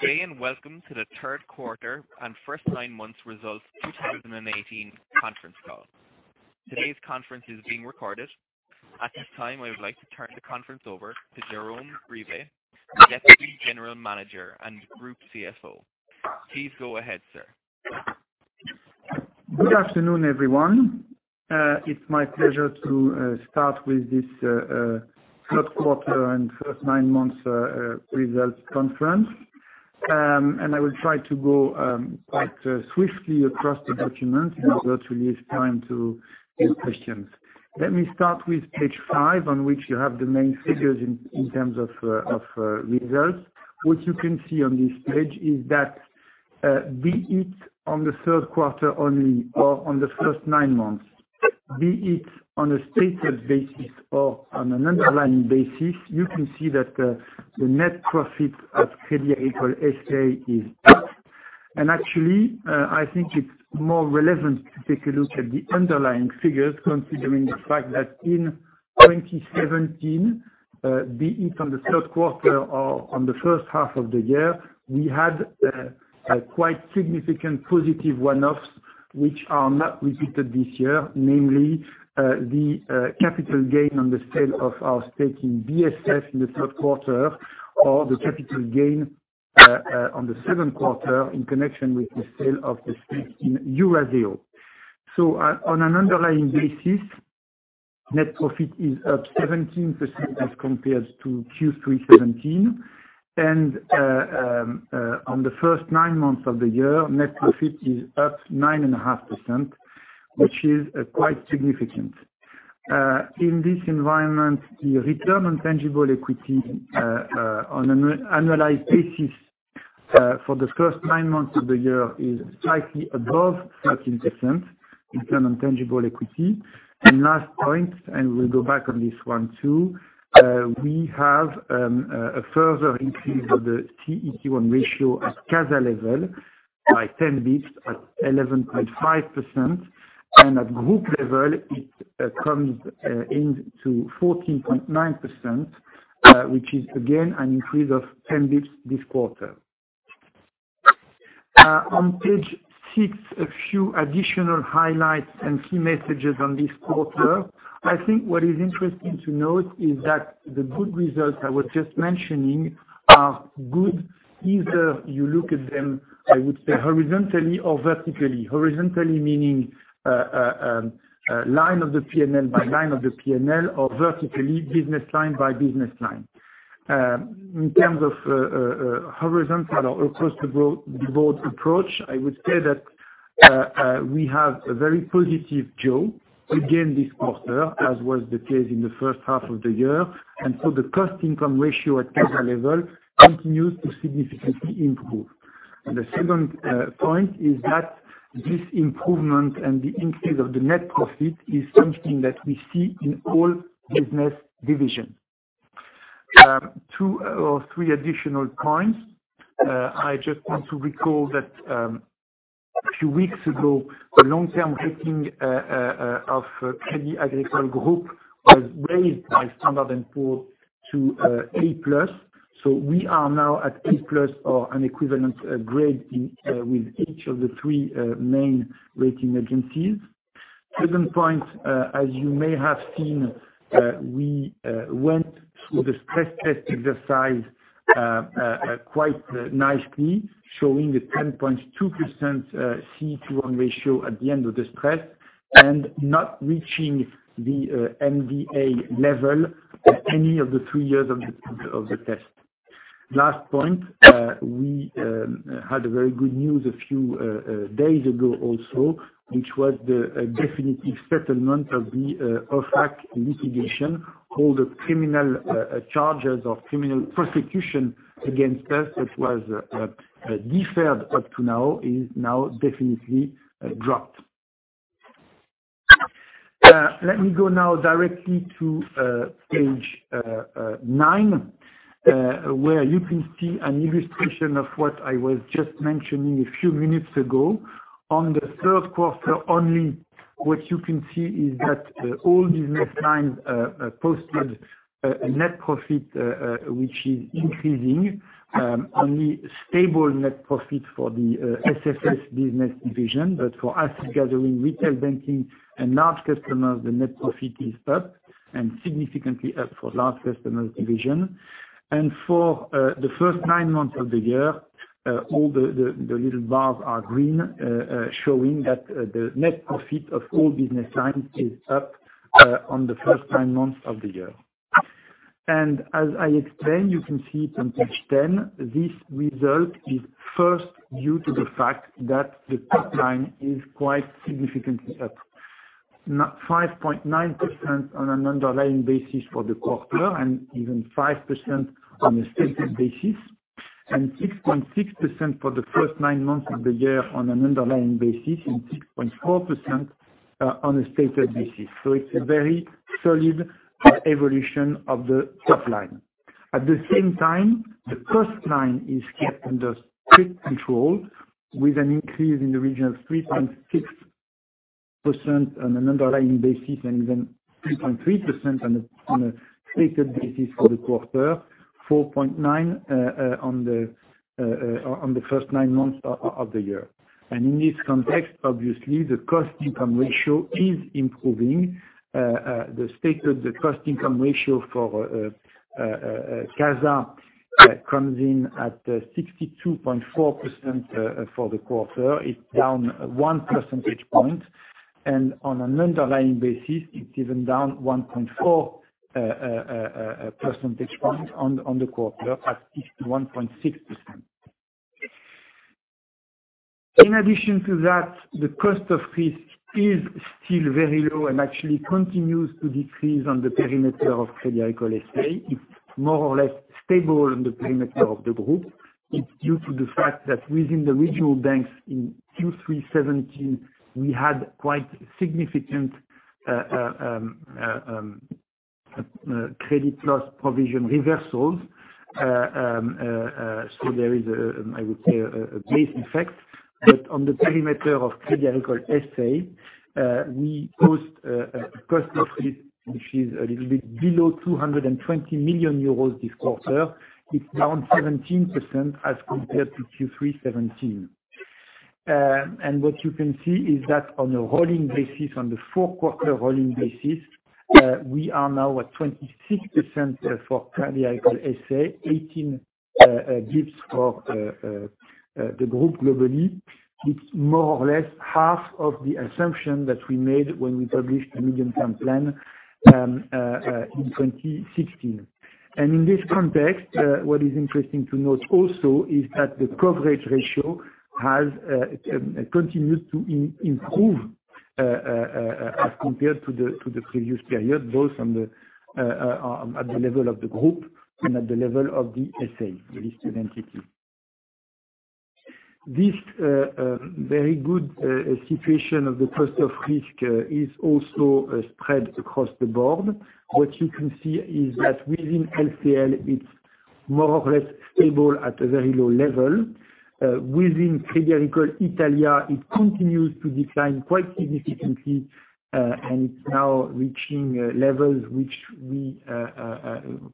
Good day, welcome to the third quarter and first nine months results 2018 conference call. Today's conference is being recorded. At this time, I would like to turn the conference over to Jérôme Grivet, Deputy General Manager and Group CFO. Please go ahead, sir. Good afternoon, everyone. It's my pleasure to start with this third quarter and first nine months results conference. I will try to go quite swiftly across the document in order to leave time to questions. Let me start with page five, on which you have the main figures in terms of results. What you can see on this page is that be it on the third quarter only or on the first nine months, be it on a stated basis or on an underlying basis, you can see that the net profit of Crédit Agricole S.A. is up. Actually, I think it's more relevant to take a look at the underlying figures, considering the fact that in 2017, be it on the third quarter or on the first half of the year, we had a quite significant positive one-offs, which are not repeated this year, namely, the capital gain on the sale of our stake in BSF in the third quarter, or the capital gain on the second quarter in connection with the sale of the stake in Eurazeo. On an underlying basis, net profit is up 17% as compared to Q3 2017. On the first nine months of the year, net profit is up 9.5%, which is quite significant. In this environment, the return on tangible equity on an annualized basis for the first nine months of the year is slightly above 13%, return on tangible equity. Last point, and we'll go back on this one, too. We have a further increase of the CET1 ratio at CASA level by 10 basis points at 11.5%, and at group level, it comes in to 14.9%, which is again an increase of 10 basis points this quarter. On page six, a few additional highlights and key messages on this quarter. I think what is interesting to note is that the good results I was just mentioning are good either you look at them, I would say, horizontally or vertically. Horizontally meaning line of the P&L by line of the P&L, or vertically, business line by business line. In terms of horizontal or across the board approach, I would say that we have a very positive job again this quarter, as was the case in the first half of the year. The cost-income ratio at CASA level continues to significantly improve. The second point is that this improvement and the increase of the net profit is something that we see in all business divisions. Two or three additional points. I just want to recall that a few weeks ago, the long-term rating of Crédit Agricole Group was raised by Standard & Poor's to A+. We are now at A+ or an equivalent grade with each of the three main rating agencies. Second point, as you may have seen, we went through the stress test exercise quite nicely, showing a 10.2% CET1 ratio at the end of the stress, and not reaching the MDA level at any of the three years of the test. Last point, we had a very good news a few days ago also, which was the definitive settlement of the OFAC litigation called the criminal charges or criminal prosecution against us that was deferred up to now, is now definitely dropped. Let me go now directly to page 9, where you can see an illustration of what I was just mentioning a few minutes ago. On the third quarter only, what you can see is that all business lines posted a net profit which is increasing. Only stable net profit for the SFS business division, but for Asset Gathering, Retail Banking, and Large Customers, the net profit is up, and significantly up for Large Customers division. For the first nine months of the year, all the little bars are green, showing that the net profit of all business lines is up on the first nine months of the year. As I explained, you can see it on page 10, this result is first due to the fact that the top line is quite significantly up. 5.9% on an underlying basis for the quarter, and even 5% on a stated basis, and 6.6% for the first nine months of the year on an underlying basis, and 6.4% on a stated basis. It's a very solid evolution of the top line. At the same time, the cost line is kept under strict control, with an increase in the region of 3.6% on an underlying basis and even 3.3% on a stated basis for the quarter, 4.9% on the first nine months of the year. In this context, obviously, the cost-income ratio is improving. The stated, the cost-income ratio for CASA comes in at 62.4% for the quarter. It's down one percentage point, and on an underlying basis, it's even down 1.4 percentage points on the quarter at 51.6%. In addition to that, the cost of risk is still very low and actually continues to decrease on the perimeter of Crédit Agricole S.A. It's more or less stable on the perimeter of the group. It's due to the fact that within the regional banks in Q3 2017, we had quite significant credit loss provision reversals. There is, I would say, a base effect. On the perimeter of Crédit Agricole S.A., we post a cost of risk which is a little bit below 220 million euros this quarter. It's down 17% as compared to Q3 2017. What you can see is that on the rolling basis, on the four-quarter rolling basis, we are now at 26% for Crédit Agricole S.A., 18 basis points for the group globally. It's more or less half of the assumption that we made when we published the Medium-Term Plan in 2016. In this context, what is interesting to note also is that the coverage ratio continues to improve as compared to the previous period, both at the level of the group and at the level of the S.A., the listed entity. This very good situation of the cost of risk is also spread across the board. What you can see is that within LCL, it's more or less stable at a very low level. Within Crédit Agricole Italia, it continues to decline quite significantly, and it's now reaching levels which we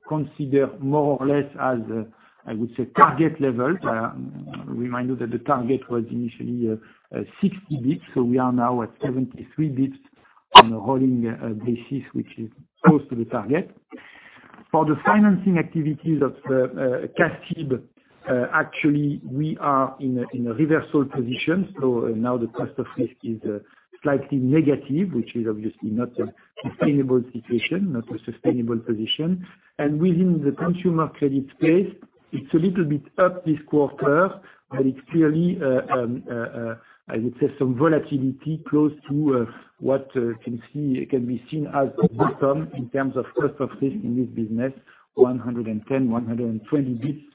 consider more or less as, I would say, target levels. A reminder that the target was initially 60 basis points, so we are now at 73 basis points on a rolling basis, which is close to the target. For the financing activities of CA-CIB, actually, we are in a reversal position, so now the cost of risk is slightly negative, which is obviously not a sustainable situation, not a sustainable position. Within the consumer credit space, it's a little bit up this quarter, but it's clearly, I would say, some volatility close to what can be seen as optimum in terms of cost of risk in this business, 110, 120 basis points running.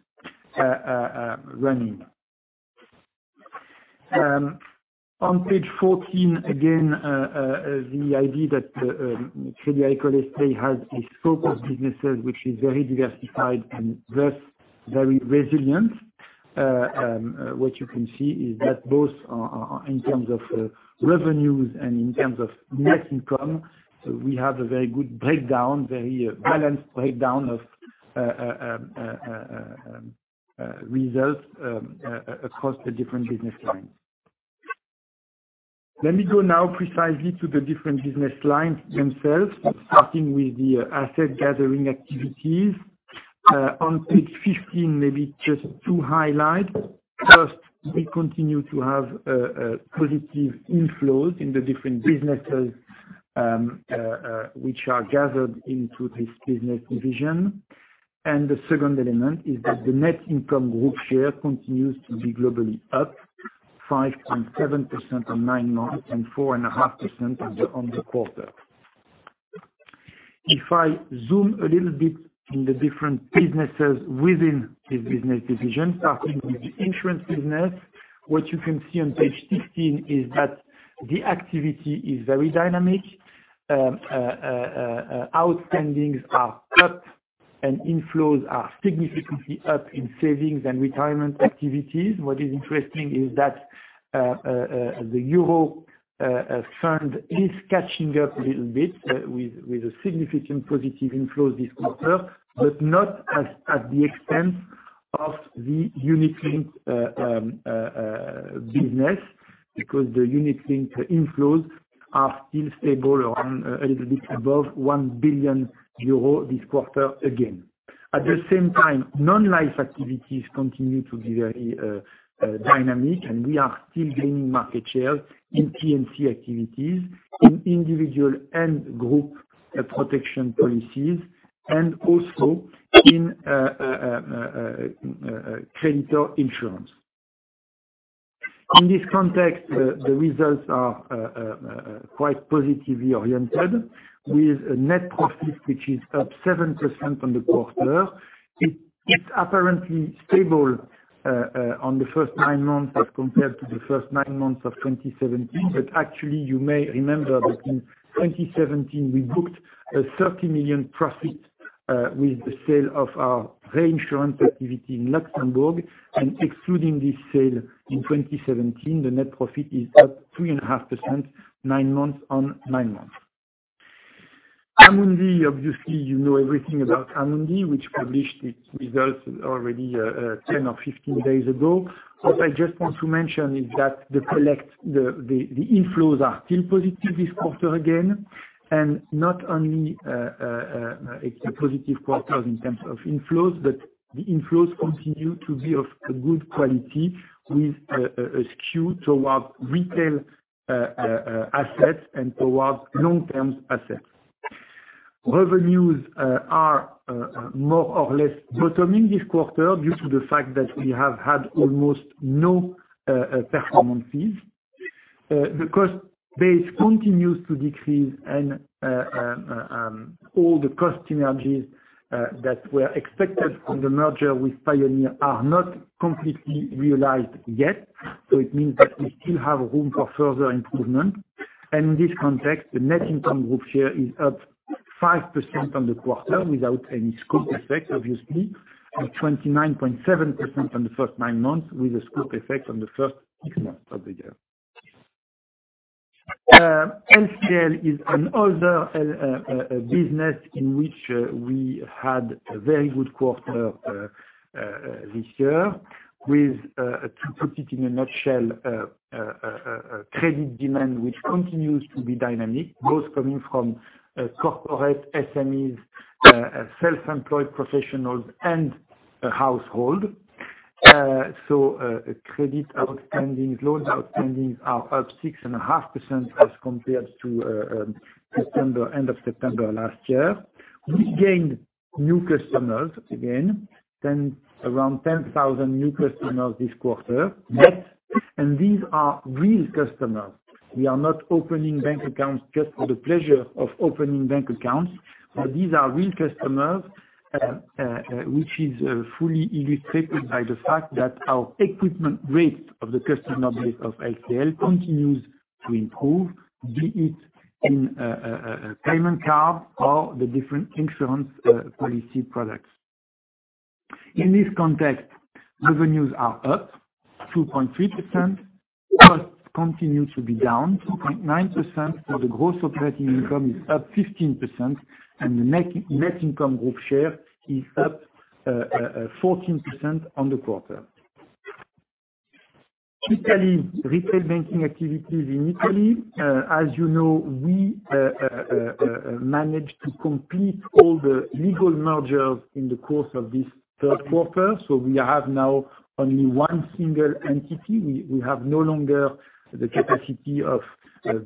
On page 14, again, the idea that Crédit Agricole S.A. has a scope of businesses which is very diversified and thus very resilient. What you can see is that both in terms of revenues and in terms of net income, we have a very good breakdown, very balanced breakdown of results across the different business lines. Let me go now precisely to the different business lines themselves, starting with the asset gathering activities. On page 15, maybe just two highlights. First, we continue to have positive inflows in the different businesses which are gathered into this business division. The second element is that the net income group share continues to be globally up 5.7% on nine months and 4.5% on the quarter. If I zoom a little bit in the different businesses within this business division, starting with the insurance business, what you can see on page 16 is that the activity is very dynamic. Outstandings are up, and inflows are significantly up in savings and retirement activities. What is interesting is that the euro fund is catching up a little bit with a significant positive inflows this quarter, but not at the expense of the unit linked business, because the unit linked inflows are still stable around a little bit above 1 billion euro this quarter again. At the same time, non-life activities continue to be very dynamic, and we are still gaining market share in P&C activities, in individual and group protection policies, and also in creditor insurance. In this context, the results are quite positively oriented with a net profit, which is up 7% on the quarter. It's apparently stable on the first nine months as compared to the first nine months of 2017. Actually, you may remember that in 2017, we booked a 30 million profit with the sale of our reinsurance activity in Luxembourg, and excluding this sale in 2017, the net profit is up 3.5% nine months on nine months. Amundi, obviously, you know everything about Amundi, which published its results already 10 or 15 days ago. What I just want to mention is that the inflows are still positive this quarter again. Not only it's a positive quarter in terms of inflows, but the inflows continue to be of a good quality with a skew towards retail assets and towards long-term assets. Revenues are more or less bottoming this quarter due to the fact that we have had almost no performance fees. The cost base continues to decrease, and all the cost synergies that were expected from the merger with Pioneer are not completely realized yet. It means that we still have room for further improvement. In this context, the net income group share is up 5% on the quarter without any scope effect, obviously, and 29.7% on the first nine months with a scope effect on the first six months of the year. LCL is another business in which we had a very good quarter this year with, to put it in a nutshell, a credit demand which continues to be dynamic, both coming from corporate SMEs, self-employed professionals, and household. Credit outstandings, loans outstandings are up 6.5% as compared to end of September last year. We gained new customers again, around 10,000 new customers this quarter. These are real customers. We are not opening bank accounts just for the pleasure of opening bank accounts. These are real customers, which is fully illustrated by the fact that our equipment rate of the customer base of LCL continues to improve, be it in a payment card or the different insurance policy products. In this context, revenues are up 2.3%. Costs continue to be down 2.9%. The gross operating income is up 15%, and the net income group share is up 14% on the quarter. Italy, retail banking activities in Italy. As you know, we managed to complete all the legal mergers in the course of this third quarter. We have now only one single entity. We have no longer the capacity of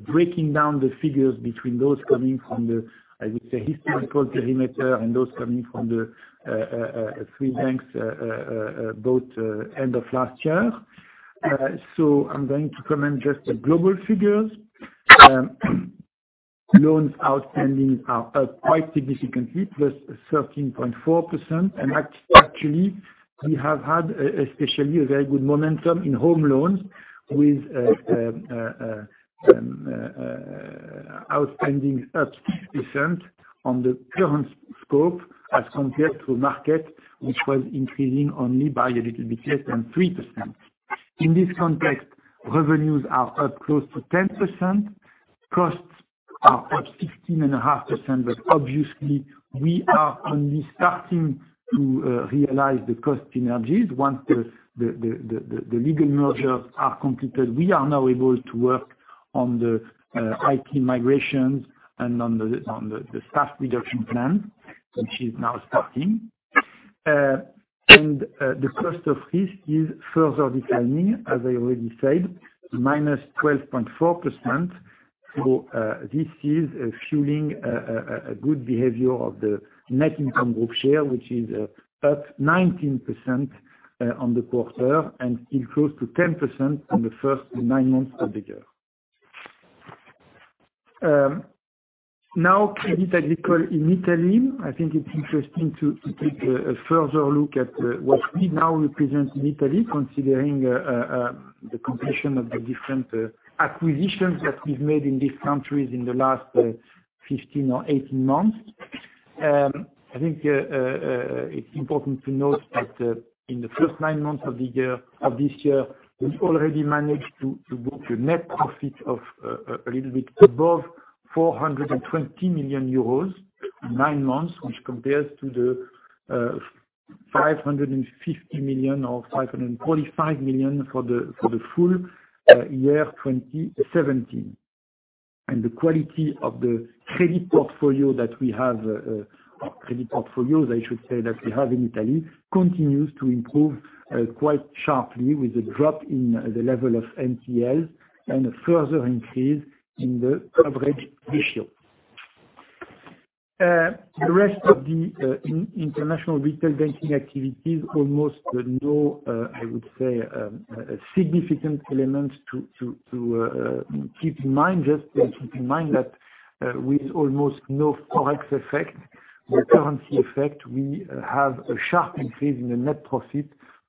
breaking down the figures between those coming from the, I would say, historical perimeter, and those coming from the three banks, both end of last year. I'm going to comment just the global figures. Loans outstanding are up quite significantly, +13.4%, and actually, we have had especially a very good momentum in home loans with outstanding up 6% on the current scope as compared to market, which was increasing only by a little bit less than 3%. In this context, revenues are up close to 10%. Costs are up 16.5%, but obviously we are only starting to realize the cost synergies. Once the legal mergers are completed, we are now able to work on the IT migrations and on the staff reduction plan, which is now starting. The cost of risk is further declining, as I already said, -12.4%. This is fueling a good behavior of the net income group share, which is up 19% on the quarter and close to 10% on the first nine months of the year. Now, Crédit Agricole in Italy. I think it's interesting to take a further look at what we now represent in Italy, considering the completion of the different acquisitions that we've made in these countries in the last 15 or 18 months. I think it's important to note that in the first nine months of this year, we've already managed to book a net profit of a little bit above 420 million euros in nine months, which compares to the 550 million or 545 million for the full year 2017. The quality of the credit portfolios I should say that we have in Italy, continues to improve quite sharply with a drop in the level of NPLs and a further increase in the coverage ratio. The rest of the international retail banking activities, almost no, I would say, significant elements to keep in mind. Just to keep in mind that with almost no forex effect or currency effect, we have a sharp increase in the net profit,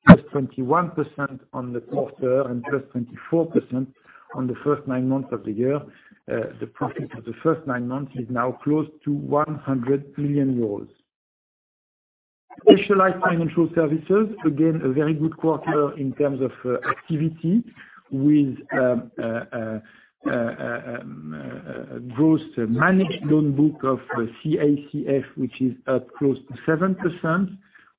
+21% on the quarter and +24% on the first nine months of the year. The profit for the first nine months is now close to 100 million euros. Specialized financial services, again, a very good quarter in terms of activity with gross managed loan book of CACF, which is up close to 7%,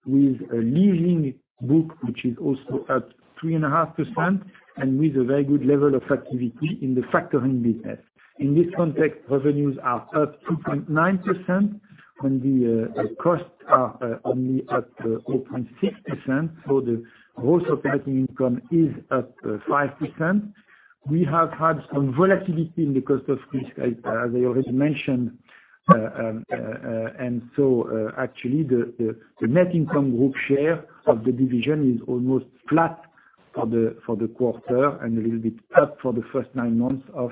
with a leasing book which is also at 3.5%, and with a very good level of activity in the factoring business. In this context, revenues are up 2.9% when the costs are only up 0.6%, the gross operating income is up 5%. We have had some volatility in the cost of risk, as I already mentioned. Actually, the net income group share of the division is almost flat for the quarter, and a little bit up for the first nine months of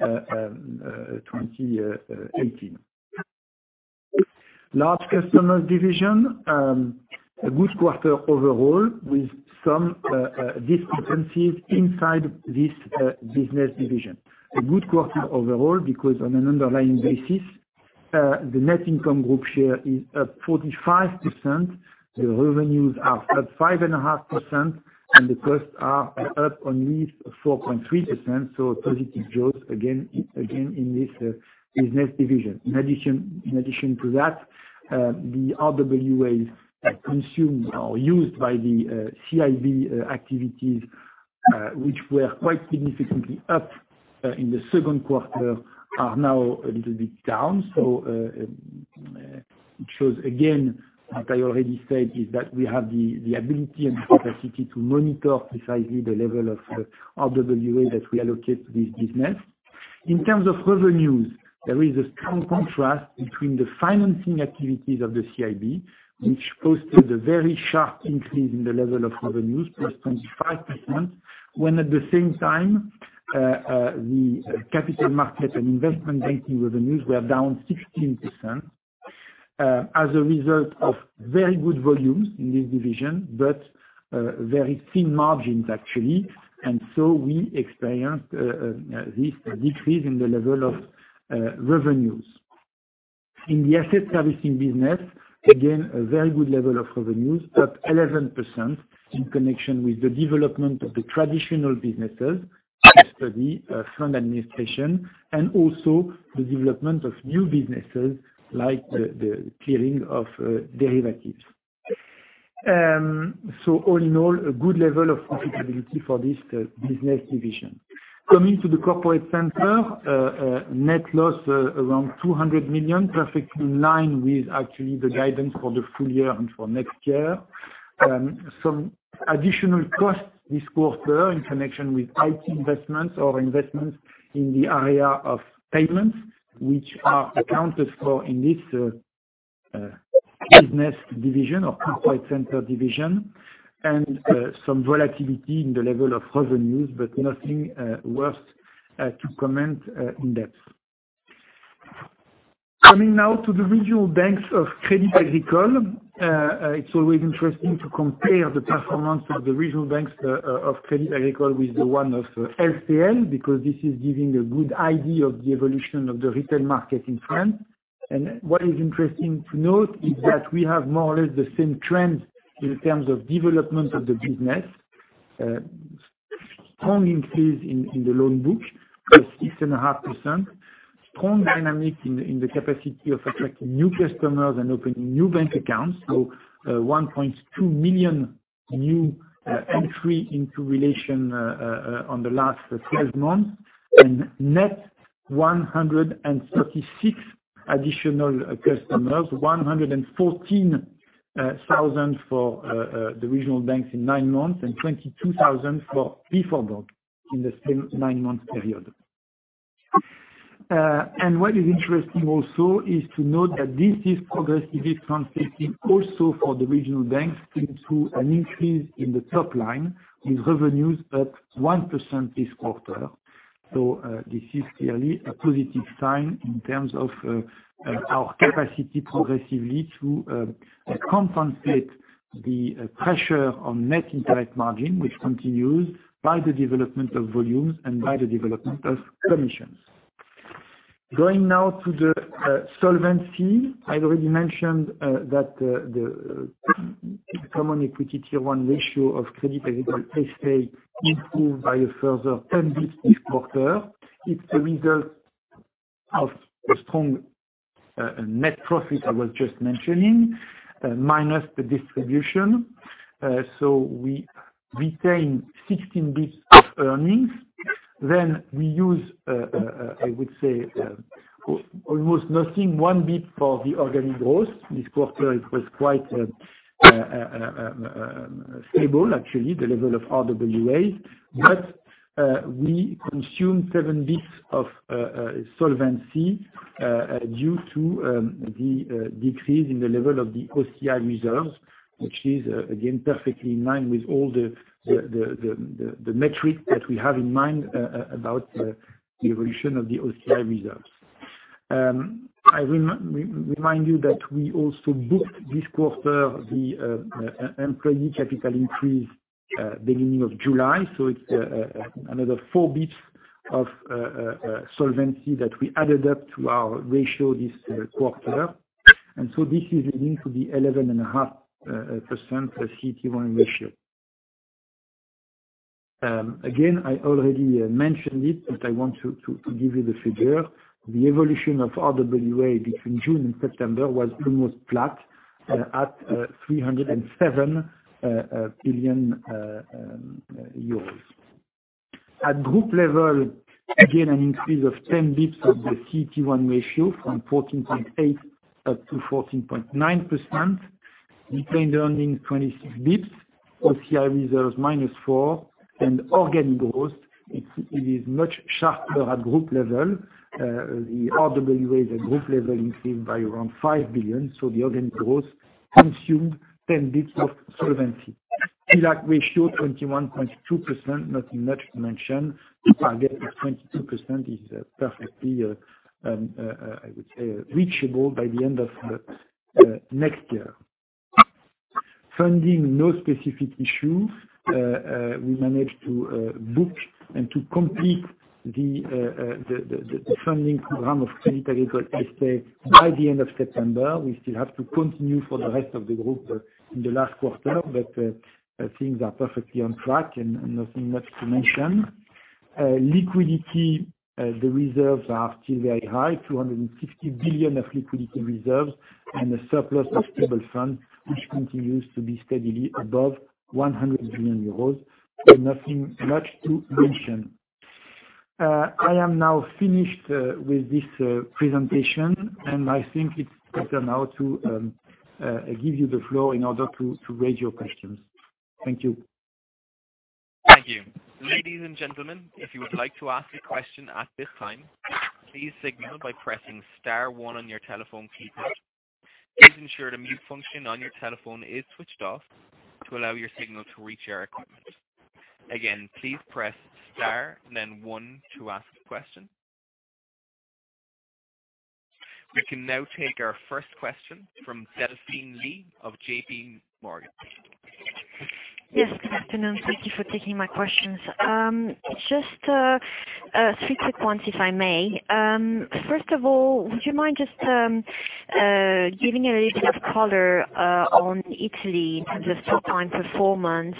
2018. Large customers division, a good quarter overall with some discrepancies inside this business division. A good quarter overall, because on an underlying basis, the net income group share is up 45%, the revenues are up 5.5%, and the costs are up only 4.3%, positive growth again in this business division. In addition to that, the RWAs consumed or used by the CIB activities, which were quite significantly up in the second quarter, are now a little bit down. It shows, again, as I already said, is that we have the ability and the capacity to monitor precisely the level of RWA that we allocate to this business. In terms of revenues, there is a strong contrast between the financing activities of the CIB, which posted a very sharp increase in the level of revenues, +25%, when at the same time, the capital market and investment banking revenues were down 16%, as a result of very good volumes in this division. Very thin margins, actually, we experienced this decrease in the level of revenues. In the asset servicing business, again, a very good level of revenues, up 11% in connection with the development of the traditional businesses, custody, fund administration, and also the development of new businesses like the clearing of derivatives. All in all, a good level of profitability for this business division. Coming to the corporate center, net loss around 200 million, perfectly in line with actually the guidance for the full year and for next year. Some additional costs this quarter in connection with IT investments or investments in the area of payments, which are accounted for in this business division or corporate center division, and some volatility in the level of revenues, but nothing worth to comment in depth. Coming now to the regional banks of Crédit Agricole. It's always interesting to compare the performance of the regional banks of Crédit Agricole with the one of LCL, because this is giving a good idea of the evolution of the retail market in France. What is interesting to note is that we have more or less the same trends in terms of development of the business. Strong increase in the loan book, +6.5%. Strong dynamic in the capacity of attracting new customers and opening new bank accounts. 1.2 million new entry into relation on the last 12 months, and net 136 additional customers, 114,000 for the regional banks in nine months, and 22,000 for BforBank in the same nine-month period. What is interesting also is to note that this is progressively translating also for the regional banks into an increase in the top line, with revenues up 1% this quarter. This is clearly a positive sign in terms of our capacity progressively to compensate the pressure on net interest margin, which continues by the development of volumes and by the development of commissions. Going now to the solvency. I already mentioned that the Common Equity Tier 1 ratio of Crédit Agricole S.A. improved by a further 10 basis points this quarter. It's a result of a strong net profit I was just mentioning, minus the distribution. We retain 16 basis points of earnings. We use, I would say almost nothing, one basis point for the organic growth. This quarter, it was quite stable actually, the level of RWA. We consumed seven basis points of solvency due to the decrease in the level of the OCI reserves, which is again, perfectly in line with all the metrics that we have in mind about the evolution of the OCI reserves. I remind you that we also booked this quarter the employee capital increase beginning of July, so it's another four basis points of solvency that we added up to our ratio this quarter. This is leading to the 11.5% CET1 ratio. Again, I already mentioned it, but I want to give you the figure. The evolution of RWA between June and September was almost flat at 307 billion euros. At group level, again, an increase of 10 basis points of the CET1 ratio from 14.8% up to 14.9%, depending on in 26 basis points, OCI reserves -4, organic growth, it is much sharper at group level. The RWA at group level increased by around 5 billion, so the organic growth consumed 10 basis points of solvency. CET1 ratio 21.2%, nothing much to mention. The target of 22% is perfectly reachable by the end of next year. Funding, no specific issue. We managed to book and to complete the funding program of Crédit Agricole S.A. by the end of September. We still have to continue for the rest of the group in the last quarter, things are perfectly on track, nothing much to mention. Liquidity, the reserves are still very high, 260 billion of liquidity reserves, a surplus of stable funds, which continues to be steadily above 100 billion euros, nothing much to mention. I am now finished with this presentation, I think it's better now to give you the floor in order to raise your questions. Thank you. Thank you. Ladies and gentlemen, if you would like to ask a question at this time, please signal by pressing star one on your telephone keypad. Please ensure the mute function on your telephone is switched off to allow your signal to reach our equipment. Again, please press star and then one to ask a question. We can now take our first question from Delphine Lee of JPMorgan. Yes. Good afternoon. Thank you for taking my questions. Just three quick ones, if I may. First of all, would you mind just giving a little bit of color on Italy in terms of top-line performance,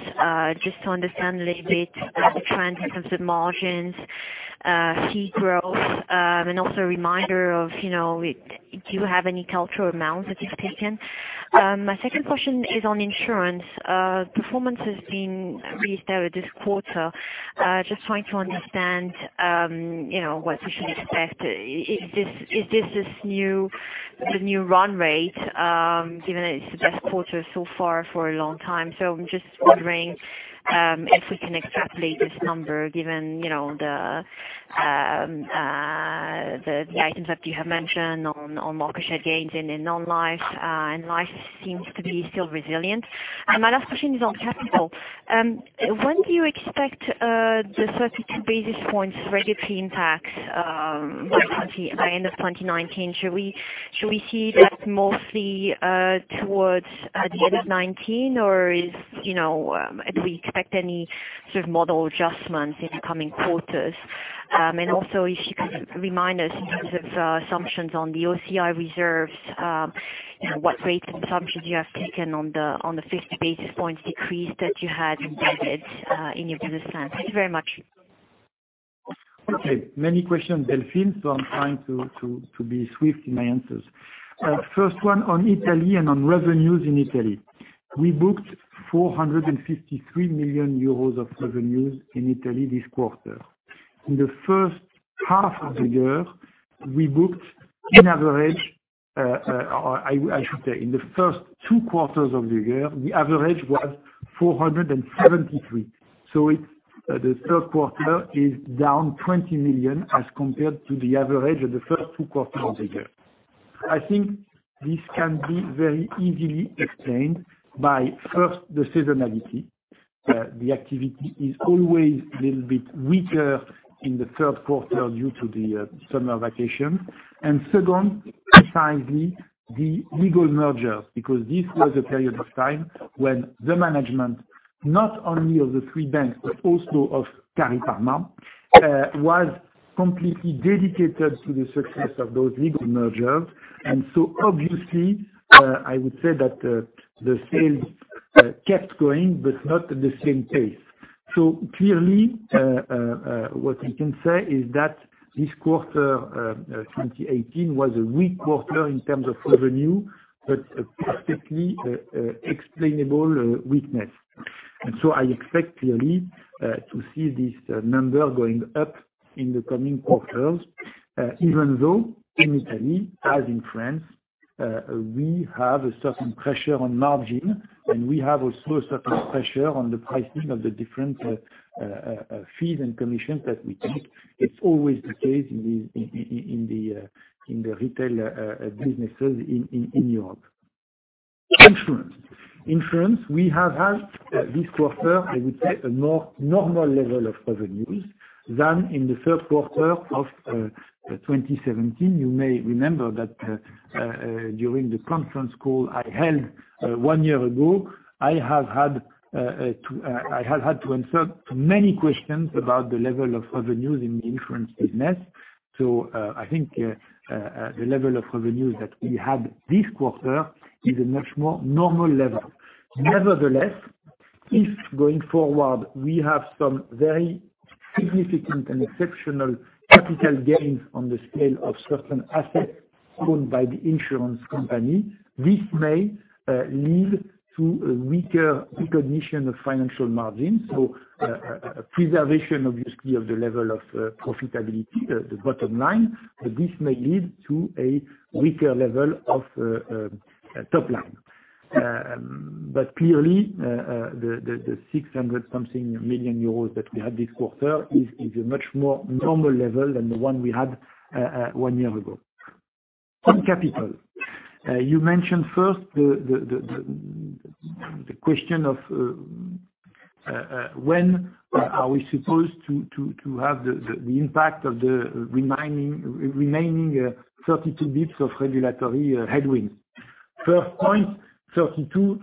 just to understand a little bit the trends in terms of margins, fee growth, and also a reminder of do you have any capital amounts that you've taken? My second question is on insurance. Performance has been restored this quarter. Just trying to understand what we should expect. Is this the new run rate, given that it's the best quarter so far for a long time? I'm just wondering if we can extrapolate this number given the items that you have mentioned on market share gains in non-life, and life seems to be still resilient. My last question is on capital. When do you expect the 32 basis points regulatory impact by end of 2019? Should we see that mostly towards the end of 2019, or do we expect any sort of model adjustments in the coming quarters? Also if you could remind us in terms of assumptions on the OCI reserves, what rate assumptions you have taken on the 50 basis points decrease that you had embedded in your business plan. Thank you very much. Okay. Many questions, Delphine, I'm trying to be swift in my answers. First one on Italy and on revenues in Italy. We booked 453 million euros of revenues in Italy this quarter. In the first half of the year, we booked in average I should say, in the first two quarters of the year, the average was 473 million. The third quarter is down 20 million as compared to the average of the first two quarters of the year. I think this can be very easily explained by, first, the seasonality. The activity is always a little bit weaker in the third quarter due to the summer vacation. Second, precisely, the legal merger, because this was a period of time when the management, not only of the three banks, but also of Cariparma, was completely dedicated to the success of those legal mergers. Obviously, I would say that the sales kept going, not at the same pace. Clearly, what we can say is that this quarter, 2018, was a weak quarter in terms of revenue, but a perfectly explainable weakness. I expect clearly to see this number going up in the coming quarters, even though in Italy, as in France, we have a certain pressure on margin, and we have also a certain pressure on the pricing of the different fees and commissions that we take. It's always the case in the retail businesses in Europe. Insurance. Insurance, we have had this quarter, I would say, a more normal level of revenues than in the third quarter of 2017. You may remember that during the conference call I held one year ago, I have had to answer to many questions about the level of revenues in the insurance business. I think the level of revenues that we have this quarter is a much more normal level. Nevertheless, if going forward, we have some very significant and exceptional capital gains on the scale of certain assets owned by the insurance company, this may lead to a weaker recognition of financial margin. Preservation, obviously, of the level of profitability, the bottom line, but this may lead to a weaker level of top line. Clearly, the 600 something million that we had this quarter is a much more normal level than the one we had one year ago. On capital, you mentioned first the question of when are we supposed to have the impact of the remaining 32 basis points of regulatory headwinds. First point, 32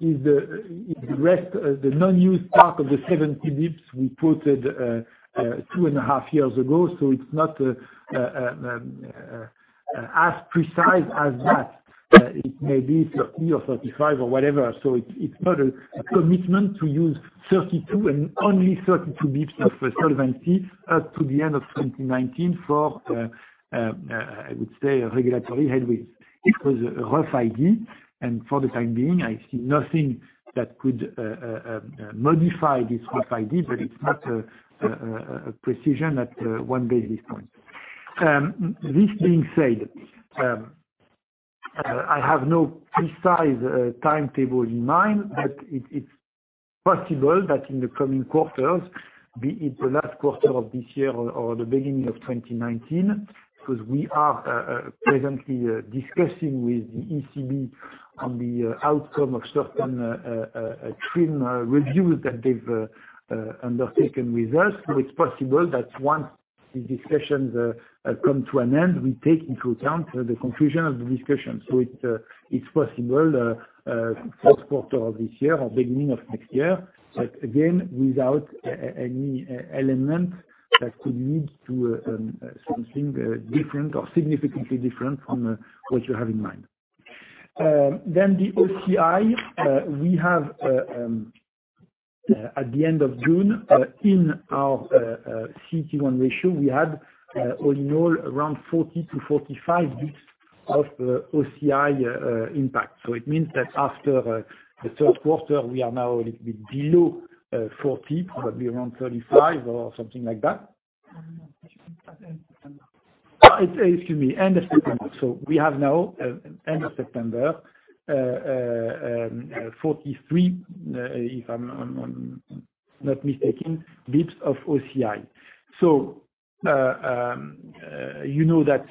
is the rest of the unused part of the 70 basis points we put 2.5 years ago, it's not as precise as that. It may be 30 or 35 or whatever. It's not a commitment to use 32 and only 32 basis points of solvency up to the end of 2019 for, I would say, regulatory headwinds. It was a rough idea, and for the time being, I see nothing that could modify this rough idea, but it's not a precision at one basis point. This being said, I have no precise timetable in mind, it's possible that in the coming quarters, be it the last quarter of this year or the beginning of 2019, because we are presently discussing with the ECB on the outcome of certain TRIM reviews that they've undertaken with us. It's possible that once these discussions come to an end, we take into account the conclusion of the discussion. It's possible, fourth quarter of this year or beginning of next year, but again, without any element that could lead to something different or significantly different from what you have in mind. The OCI, we have at the end of June, in our CET1 ratio, we had all in all, around 40 to 45 basis points of OCI impact. It means that after the third quarter, we are now a little bit below 40, probably around 35 or something like that. At the end of September. Excuse me, end of September. We have now, end of September, 43, if I'm not mistaken, basis points of OCI. You know that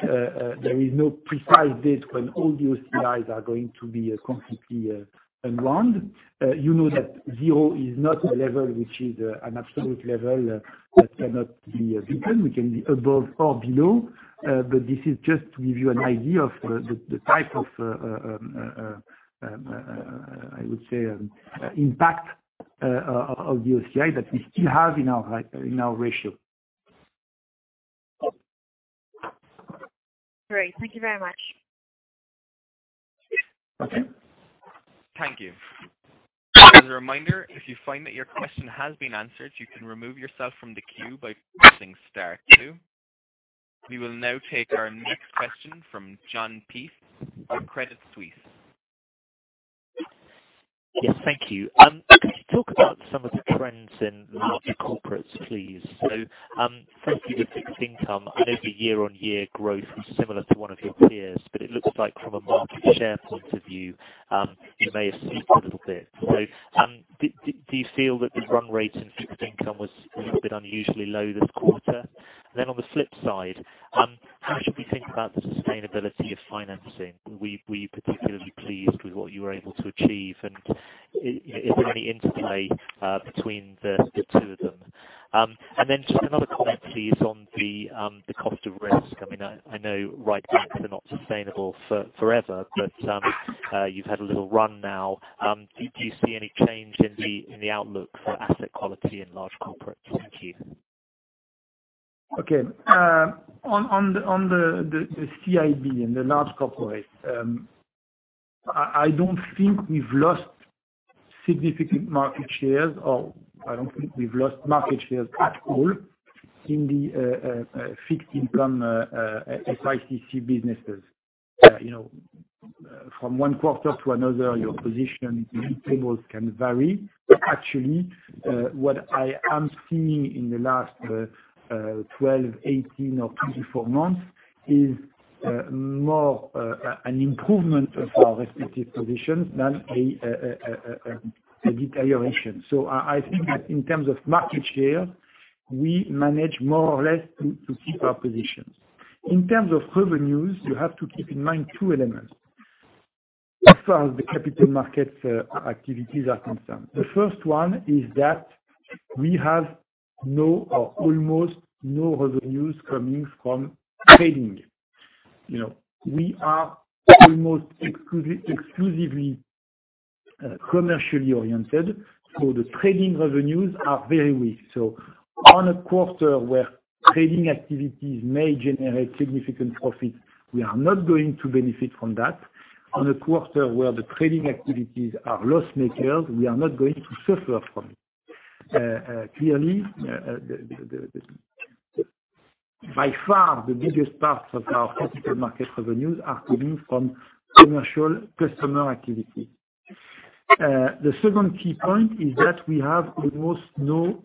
there is no precise date when all the OCIs are going to be completely unwound. You know that zero is not a level which is an absolute level that cannot be beaten, we can be above or below. This is just to give you an idea of the type of, I would say, impact of the OCI that we still have in our ratio. Great. Thank you very much. Okay. Thank you. As a reminder, if you find that your question has been answered, you can remove yourself from the queue by pressing star two. We will now take our next question from Jon Peace of Credit Suisse. Yes. Thank you. Could you talk about some of the trends in large corporates, please? Firstly, the year-on-year growth is similar to one of your peers, but it looks like from a market share point of view, you may have slipped a little bit. Do you feel that the run rate in fixed income was a little bit unusually low this quarter? On the flip side, how should we think about the sustainability of financing? Were you particularly pleased with what you were able to achieve, and is there any interplay between the two of them? Just another comment, please, on the cost of risk. I know write-backs are not sustainable forever, but you've had a little run now. Do you see any change in the outlook for asset quality in large corporate? Thank you. Okay. On the CIB, in the large corporate, I don't think we've lost significant market shares, or I don't think we've lost market shares at all in the fixed income FICC businesses. From one quarter to another, your position in tables can vary. Actually, what I am seeing in the last 12, 18 or 24 months is more an improvement of our respective positions than a deterioration. I think that in terms of market share, we manage more or less to keep our positions. In terms of revenues, you have to keep in mind two elements as far as the capital markets activities are concerned. The first one is that we have no, or almost no, revenues coming from trading. We are almost exclusively commercially oriented, so the trading revenues are very weak. On a quarter where trading activities may generate significant profits, we are not going to benefit from that. On a quarter where the trading activities are loss-makers, we are not going to suffer from it. Clearly, by far, the biggest parts of our capital market revenues are coming from commercial customer activity. The second key point is that we have almost no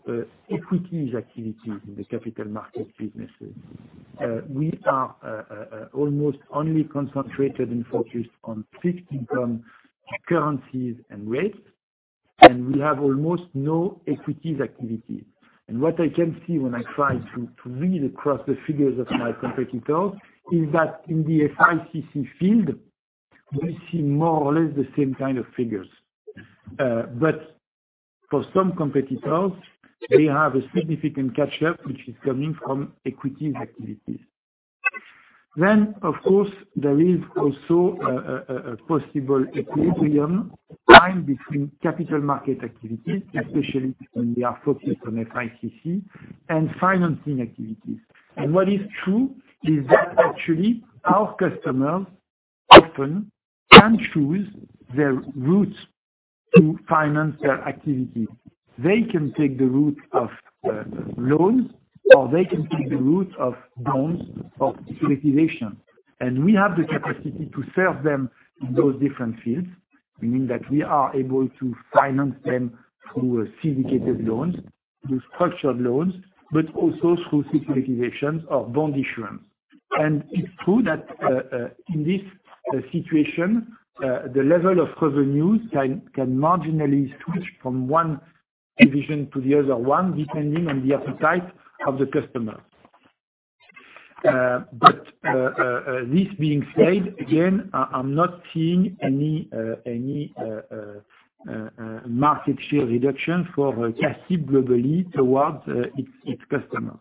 equities activities in the capital markets businesses. We are almost only concentrated and focused on fixed income currencies and rates, and we have almost no equities activity. What I can see when I try to read across the figures of my competitors is that in the FICC field, we see more or less the same kind of figures. For some competitors, they have a significant catch-up, which is coming from equities activities. Of course, there is also a possible equilibrium line between capital market activity, especially when we are focused on FICC, and financing activities. What is true is that actually our customers often can choose their routes to finance their activity. They can take the route of loans, or they can take the route of securitization. We have the capacity to serve them in those different fields, meaning that we are able to finance them through syndicated loans, through structured loans, but also through securitizations of bond issuance. It is true that in this situation, the level of revenues can marginally switch from one division to the other, depending on the appetite of the customer. This being said, again, I am not seeing any market share reduction for CA-CIB globally towards its customers.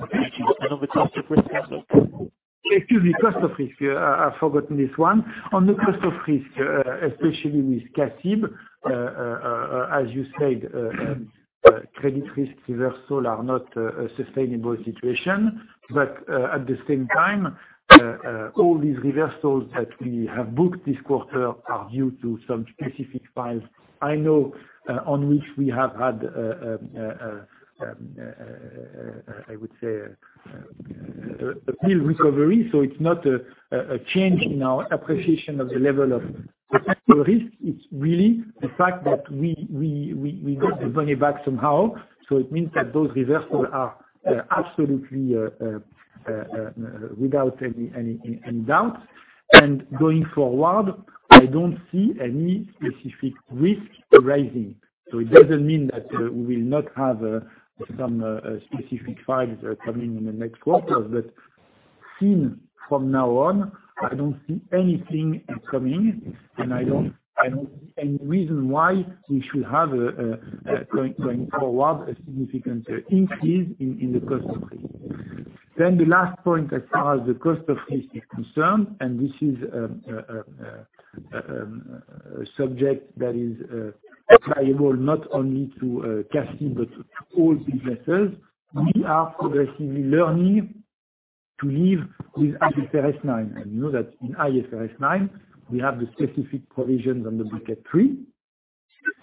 On the cost of risk, also? Excuse me, cost of risk. I have forgotten this one. On the cost of risk, especially with CA-CIB, as you said, credit risk reversals are not a sustainable situation. At the same time, all these reversals that we have booked this quarter are due to some specific files I know, on which we have had, I would say, a bill recovery. It is not a change in our appreciation of the level of risk. It is really the fact that we got the money back somehow. It means that those reversals are absolutely without any doubt. Going forward, I do not see any specific risk arising. It does not mean that we will not have some specific files coming in the next quarters, but seen from now on, I do not see anything coming, and I do not see any reason why we should have, going forward, a significant increase in the cost of risk. The last point as far as the cost of risk is concerned, and this is a subject that is applicable not only to CA-CIB, but to all businesses. We are progressively learning to live with IFRS 9. You know that in IFRS 9, we have the specific provisions on the bucket 3,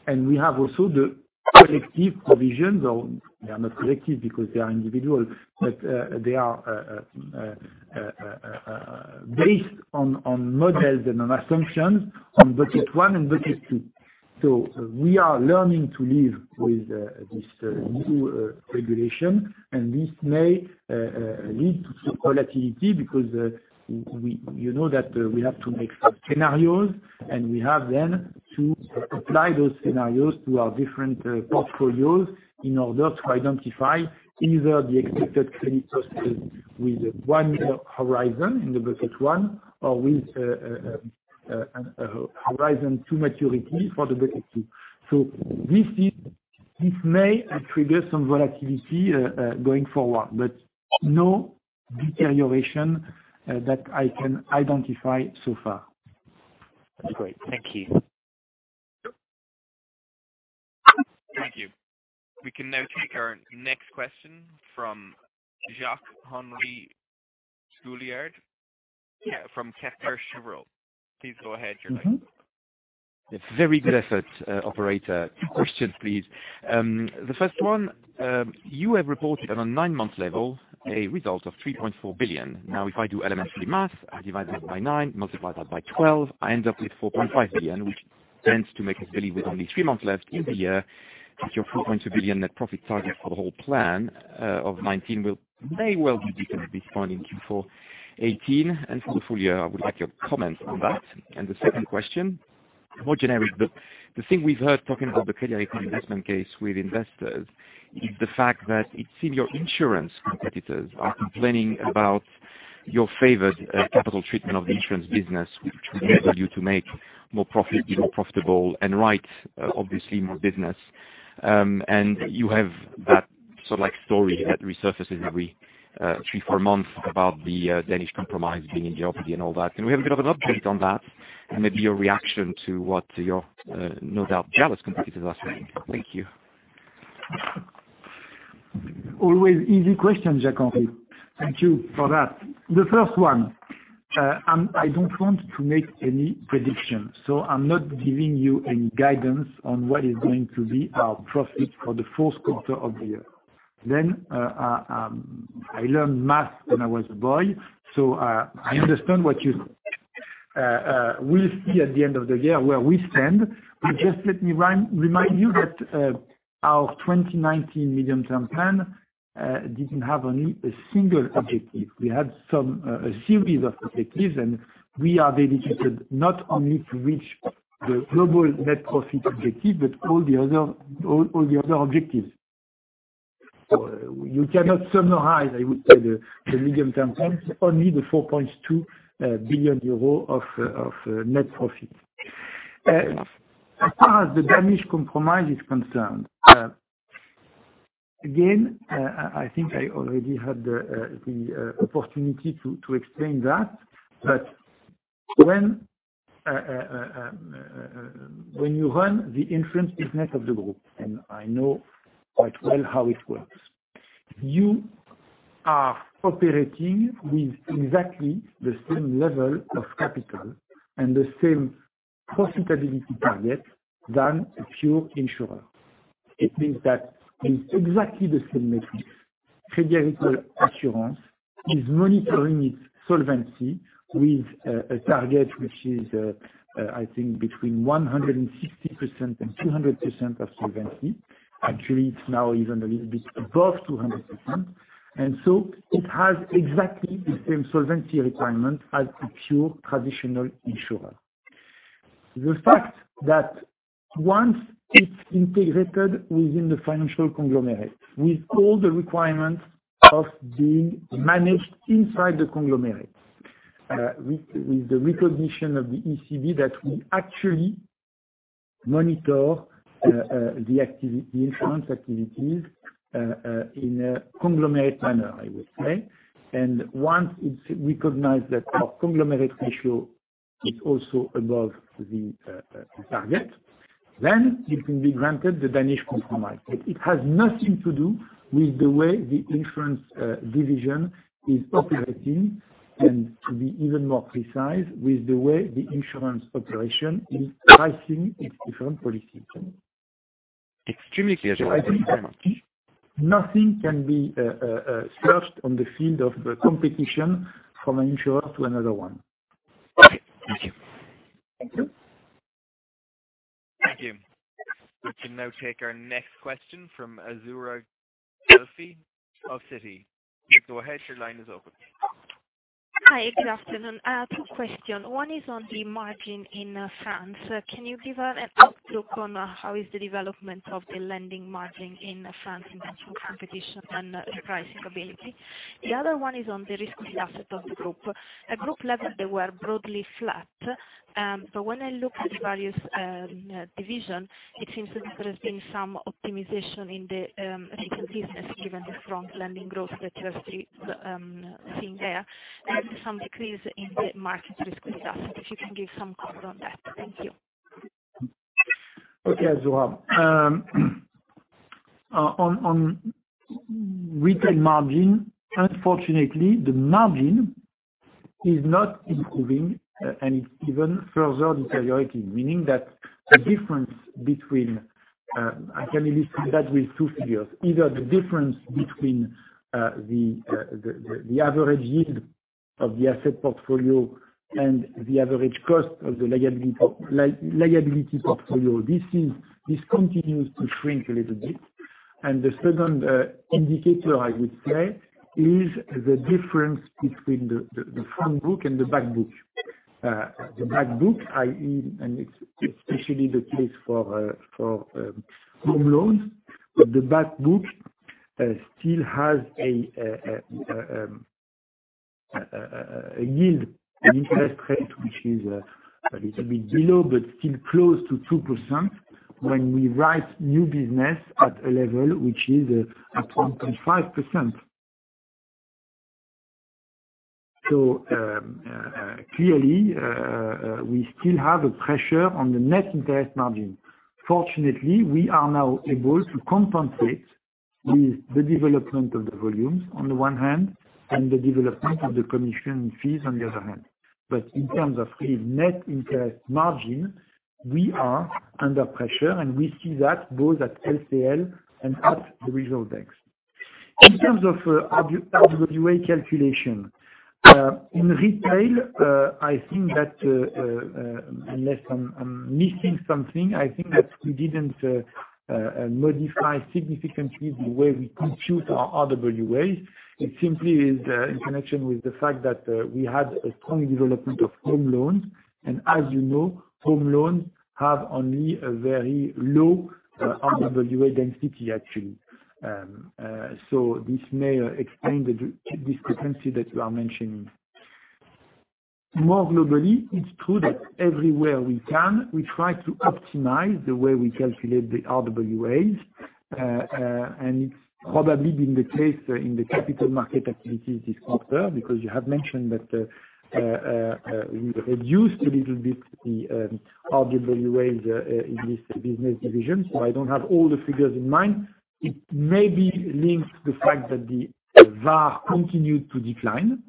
and we have also the collective provisions, or they are not collective because they are individual. They are based on models and on assumptions on bucket 1 and bucket 2. We are learning to live with this new regulation. This may lead to some volatility because you know that we have to make some scenarios. We have then to apply those scenarios to our different portfolios in order to identify either the expected credit losses with one horizon in the bucket 1, or with a horizon to maturity for the bucket 2. This may trigger some volatility going forward, but no deterioration that I can identify so far. Great. Thank you. Thank you. We can now take our next question from Jacques-Henri Gaulard from Kepler Cheuvreux. Please go ahead, your line is open. Yes, very good effort, operator. Two questions, please. The first one, you have reported on a nine-month level a result of 3.4 billion. If I do elementary math, I divide that by nine, multiply that by 12, I end up with 4.5 billion, which tends to make us believe with only three months left in the year, that your 4.2 billion net profit target for the whole plan of 2019 may well be beaten at this point in Q4 2018 and for the full year. I would like your comments on that. The second question, more generic, but the thing we've heard talking about the Crédit Agricole investment case with investors is the fact that it's in your insurance competitors are complaining about your favored capital treatment of the insurance business, which would enable you to make more profit, be more profitable and write obviously more business. You have that story that resurfaces every three, four months about the Danish compromise being in jeopardy and all that. Can we have a bit of an update on that and maybe your reaction to what your, no doubt, jealous competitors are saying? Thank you. Always easy question, Jacques-Henri. Thank you for that. The first one, I don't want to make any predictions, so I'm not giving you any guidance on what is going to be our profit for the fourth quarter of the year. I learned math when I was a boy, so I understand what you said. We'll see at the end of the year where we stand. Just let me remind you that our 2019 Medium-Term Plan didn't have only a single objective. We had a series of objectives, and we are dedicated not only to reach the global net profit objective, but all the other objectives. You cannot summarize, I would say, the Medium-Term Plan, only the 4.2 billion euros of net profit. As far as the Danish compromise is concerned, again, I think I already had the opportunity to explain that. When you run the insurance business of the group, and I know quite well how it works, you are operating with exactly the same level of capital and the same profitability target than a pure insurer. It means that in exactly the same metrics, Crédit Agricole Assurances is monitoring its solvency with a target, which is, I think, between 160% and 200% of solvency. Actually, it's now even a little bit above 200%. It has exactly the same solvency requirement as a pure traditional insurer. The fact that once it's integrated within the financial conglomerate, with all the requirements of being managed inside the conglomerate, with the recognition of the ECB that we actually monitor the insurance activities in a conglomerate manner, I would say. Once it's recognized that our conglomerate ratio is also above the target, then it can be granted the Danish compromise. It has nothing to do with the way the insurance division is operating, and to be even more precise, with the way the insurance operation is pricing its different policies. Extremely clear. Thank you very much. Nothing can be stretched on the field of competition from insurer to another one. Okay, thank you. Thank you. Thank you. We can now take our next question from Azzurra Guelfi of Citi. Go ahead, your line is open. Hi, good afternoon. Two question. One is on the margin in France. Can you give an outlook on how is the development of the lending margin in France in terms of competition and pricing ability? The other one is on the risky asset of the group. At group level, they were broadly flat. When I look at the various division, it seems that there has been some optimization in the retail business, given the strong lending growth that you are seeing there, and some decrease in the market risk-weighted assets. If you can give some color on that. Thank you. Okay, Azzurra. On retail margin, unfortunately, the margin is not improving and it's even further deteriorating, meaning that the difference between I can illustrate that with two figures. Either the difference between the average yield of the asset portfolio and the average cost of the liability portfolio. This continues to shrink a little bit. The second indicator, I would say, is the difference between the front book and the back book. The back book, i.e., and it's especially the case for home loans, the back book still has a yield, an interest rate, which is a little bit below, but still close to 2% when we write new business at a level which is at 1.5%. Clearly, we still have a pressure on the net interest margin. Fortunately, we are now able to compensate with the development of the volumes on the one hand, and the development of the commission fees on the other hand. In terms of net interest margin, we are under pressure, and we see that both at LCL and at réseaux. In terms of RWA calculation. In retail, unless I'm missing something, I think that we didn't modify significantly the way we compute our RWAs. It simply is in connection with the fact that we had a strong development of home loans, as you know, home loans have only a very low RWA density, actually. This may explain the discrepancy that you are mentioning. More globally, it's true that everywhere we can, we try to optimize the way we calculate the RWAs, and it's probably been the case in the capital market activities this quarter, because you have mentioned that we reduced a little bit the RWAs in this business division. I don't have all the figures in mind. It may be linked to the fact that the VaR continued to decline,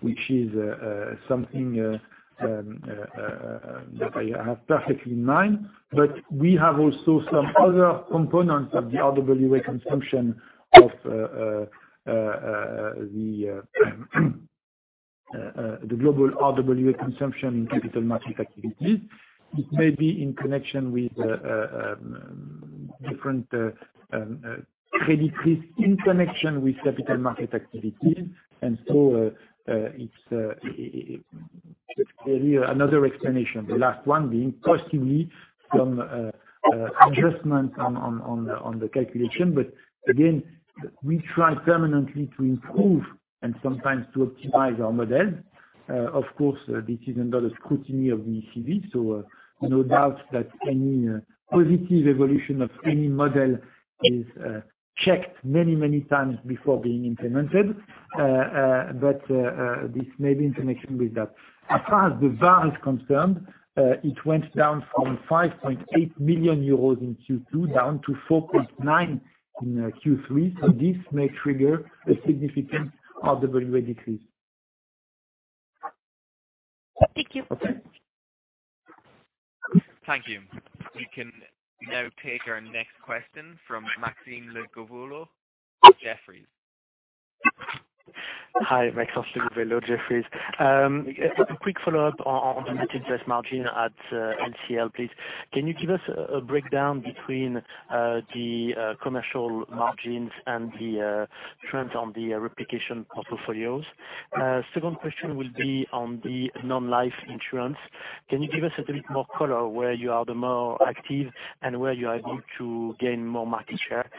which is something that I have perfectly in mind. We have also some other components of the RWA consumption of the global RWA consumption in capital market activities. It may be in connection with different credit risk in connection with capital market activities, it's really another explanation. The last one being possibly some adjustment on the calculation. Again, we try permanently to improve and sometimes to optimize our model. Of course, this is under the scrutiny of the ECB, no doubt that any positive evolution of any model is checked many times before being implemented. This may be in connection with that. As far as the VaR is concerned, it went down from 5.8 million euros in Q2 down to 4.9 in Q3, this may trigger a significant RWA decrease. Thank you. Thank you. We can now take our next question from Maxime, Jefferies. Hi, Michael, Jefferies. A quick follow-up on the net interest margin at LCL, please. Can you give us a breakdown between the commercial margins and the trends on the replication of portfolios? Second question will be on the non-life insurance. Can you give us a little bit more color where you are the more active and where you are going to gain more market share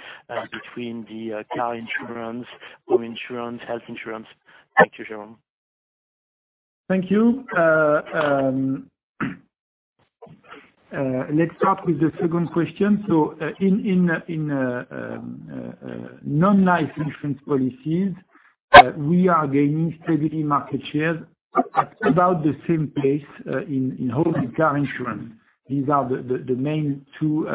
between the car insurance, home insurance, health insurance? Thank you, Jérôme. Thank you. Let's start with the second question. In non-life insurance policies, we are gaining steadily market shares at about the same pace in home and car insurance. These are the main two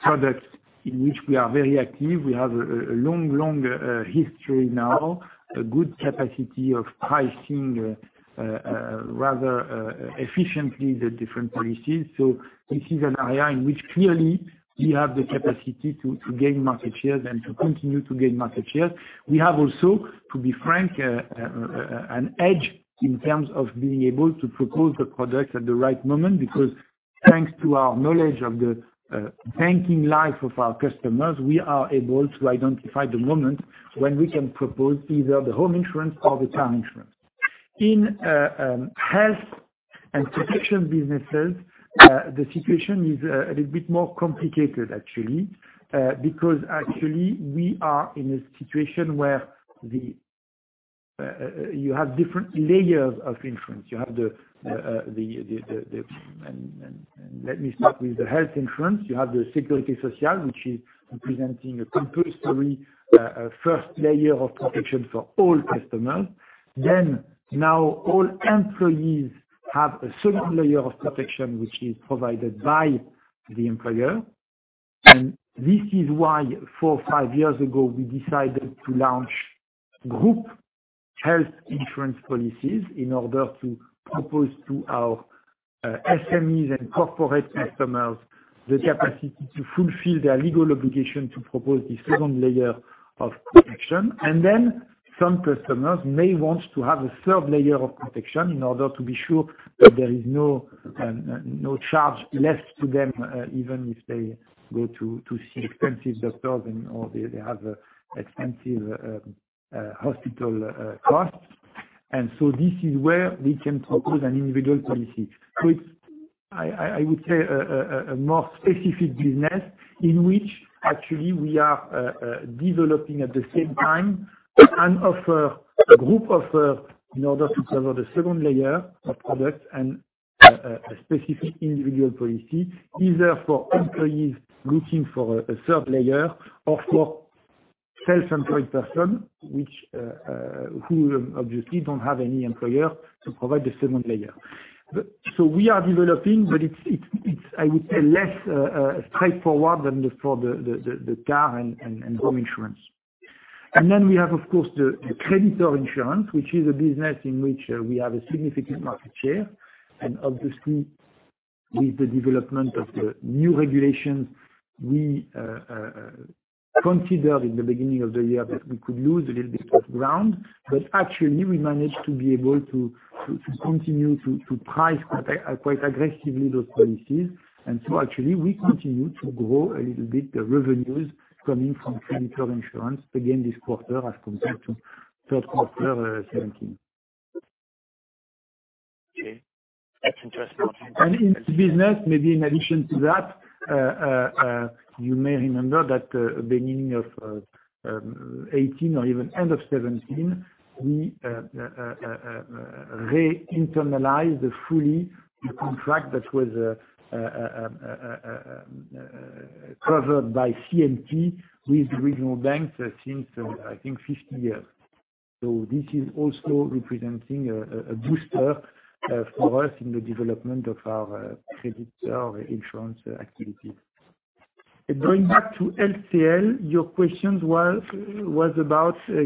products in which we are very active. We have a long history now, a good capacity of pricing rather efficiently the different policies. This is an area in which clearly we have the capacity to gain market shares and to continue to gain market shares. We have also, to be frank, an edge in terms of being able to propose the product at the right moment, because thanks to our knowledge of the banking life of our customers, we are able to identify the moment when we can propose either the home insurance or the car insurance. In health and protection businesses, the situation is a little bit more complicated actually, because actually we are in a situation where you have different layers of insurance. Let me start with the health insurance. You have the Sécurité Sociale, which is representing a compulsory 1st layer of protection for all customers. Now all employees have a 2nd layer of protection, which is provided by the employer. This is why four or five years ago, we decided to launch group health insurance policies in order to propose to our SMEs and corporate customers the capacity to fulfill their legal obligation to propose the 2nd layer of protection. Some customers may want to have a 3rd layer of protection in order to be sure that there is no charge left to them, even if they go to see expensive doctors or they have expensive hospital costs. This is where we can propose an individual policy. It's, I would say, a more specific business in which actually we are developing at the same time an offer, a group offer in order to cover the 2nd layer of product and a specific individual policy either for employees looking for a 3rd layer or for self-employed person, who obviously don't have any employer to provide the 2nd layer. We are developing, but it's I would say less straightforward than for the car and home insurance. We have, of course, the creditor insurance, which is a business in which we have a significant market share. Obviously, with the development of the new regulations, we considered in the beginning of the year that we could lose a little bit of ground. Actually, we managed to be able to continue to price quite aggressively those policies. Actually, we continue to grow a little bit the revenues coming from creditor insurance again this quarter as compared to third quarter 2017. Okay. That's interesting. In business, maybe in addition to that, you may remember that beginning of 2018 or even end of 2017, we re-internalized fully the contract that was covered by CNP with Regional Banks since, I think, 15 years. This is also representing a booster for us in the development of our creditor insurance activity. Going back to LCL, your questions was about- On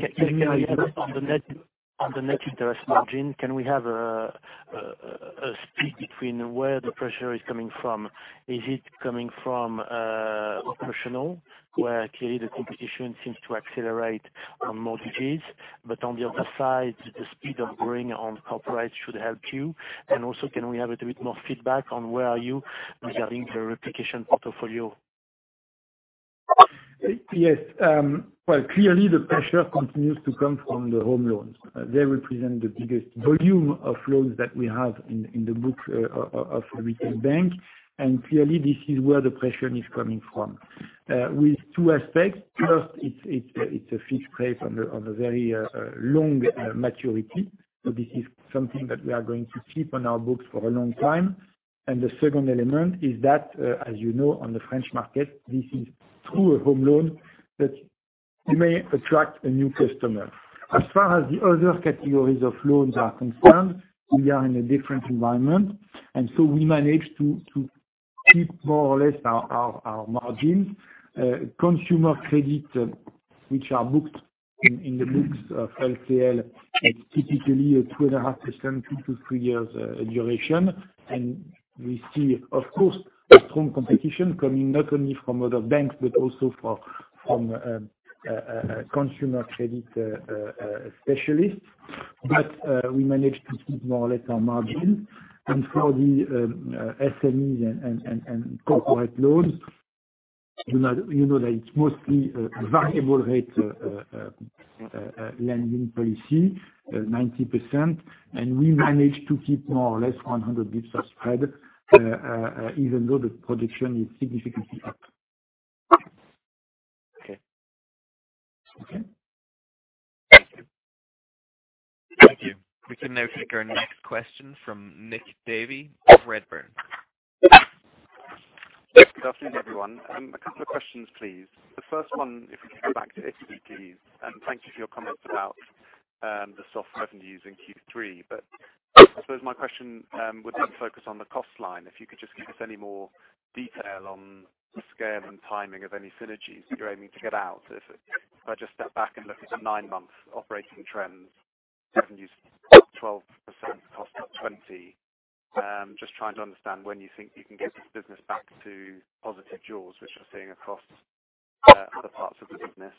the net interest margin, can we have a split between where the pressure is coming from? Is it coming from Professional, where clearly the competition seems to accelerate on mortgages, but on the other side, the speed of borrowing on Corporate should help you? Also, can we have a little bit more feedback on where are you regarding the replication portfolio? Yes. Well, clearly the pressure continues to come from the home loans. They represent the biggest volume of loans that we have in the books of the retail bank. Clearly this is where the pressure is coming from. With two aspects. First, it is a fixed rate on a very long maturity. This is something that we are going to keep on our books for a long time. The second element is that, as you know, on the French market, this is through a home loan that you may attract a new customer. As far as the other categories of loans are concerned, we are in a different environment. We manage to keep more or less our margins. Consumer credit, which are booked in the books of LCL, is typically 2.5%, two to three years duration. We see, of course, a strong competition coming not only from other banks, but also from consumer credit specialists. We managed to keep more or less our margin. For the SMEs and corporate loans, you know that it is mostly a variable rate lending policy, 90%. We managed to keep more or less 100 basis points of spread, even though the production is significantly up. Okay. Okay. Thank you. Thank you. We can now take our next question from Nick Davey of Redburn. Good afternoon, everyone. A couple of questions, please. The first one, if we can go back to Italy, please, and thank you for your comments about the soft revenues in Q3. I suppose my question would then focus on the cost line, if you could just give us any more detail on the scale and timing of any synergies you're aiming to get out. If I just step back and look at the nine-month operating trends, revenues up 12%, costs up 20%. Just trying to understand when you think you can get this business back to positive jaws, which we're seeing across other parts of the business.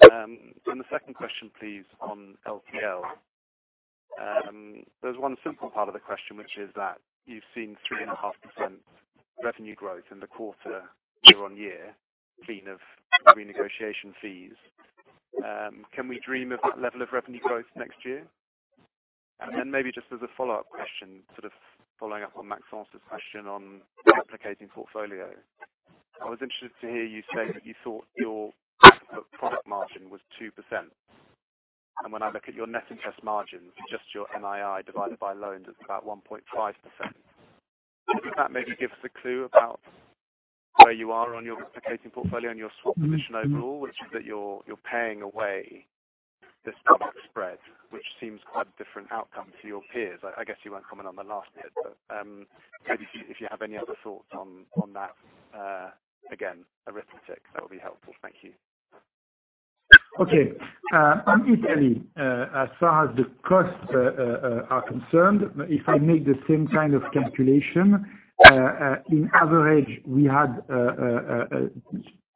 The second question, please, on LCL. There's one simple part of the question, which is that you've seen 3.5% revenue growth in the quarter year-on-year, clean of renegotiation fees. Can we dream of that level of revenue growth next year? Maybe just as a follow-up question, sort of following up on Maxime's question on replicating portfolio. I was interested to hear you say that you thought your product margin was 2%. When I look at your net interest margins, just your NII divided by loans, it's about 1.5%. Could that maybe give us a clue about where you are on your replicating portfolio and your swap position overall, which is that you're paying away this product spread, which seems quite a different outcome to your peers. I guess you won't comment on the last bit, but maybe if you have any other thoughts on that, again, arithmetic, that would be helpful. Thank you. Okay. On Italy, as far as the costs are concerned, if I make the same kind of calculation, in average, we had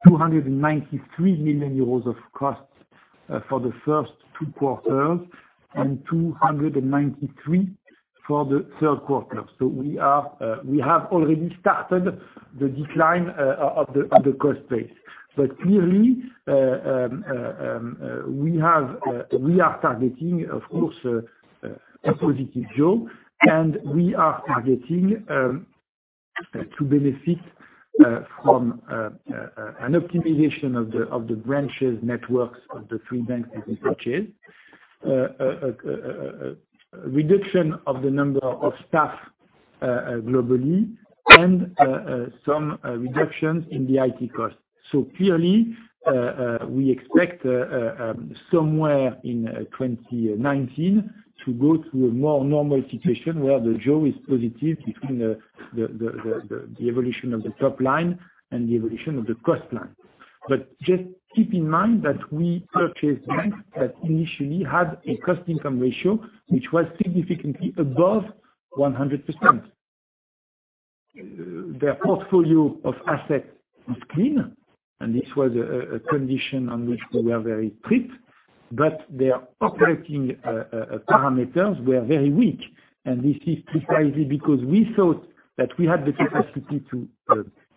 293 million euros of costs for the first two quarters and 293 million for the third quarter. We have already started the decline of the cost base. Clearly, we are targeting, of course, a positive jaw, and we are targeting to benefit from an optimization of the branches, réseaux of the three banks that we purchased, a reduction of the number of staff globally, and some reductions in the IT costs. Clearly, we expect somewhere in 2019 to go to a more normal situation where the jaw is positive between the evolution of the top line and the evolution of the cost line. Just keep in mind that we purchased banks that initially had a cost-income ratio, which was significantly above 100%. Their portfolio of assets was clean, and this was a condition on which we were very strict, their operating parameters were very weak. This is precisely because we thought that we had the capacity to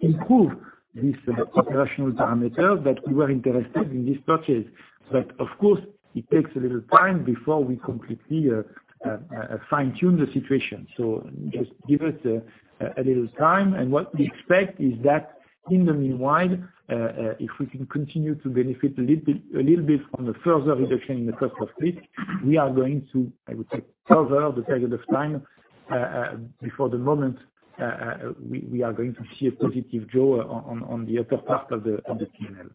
improve this operational parameter, that we were interested in this purchase. Of course, it takes a little time before we completely fine-tune the situation. Just give us a little time, and what we expect is that in the meanwhile, if we can continue to benefit a little bit from the further reduction in the cost of risk, we are going to, I would say, cover the period of time before the moment we are going to see a positive draw on the upper part of the P&L.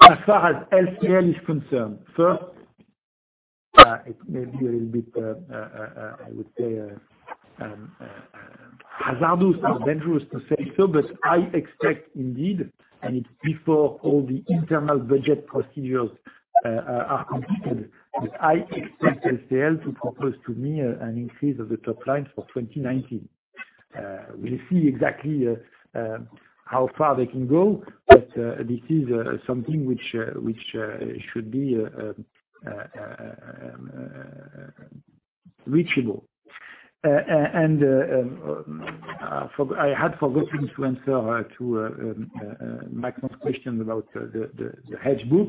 As far as LCL is concerned, first, it may be a little bit, I would say, hazardous or dangerous to say so, I expect indeed, and it's before all the internal budget procedures are completed, I expect LCL to propose to me an increase of the top line for 2019. We'll see exactly how far they can go, this is something which should be reachable. I had forgotten to answer to Michael's question about the hedge book.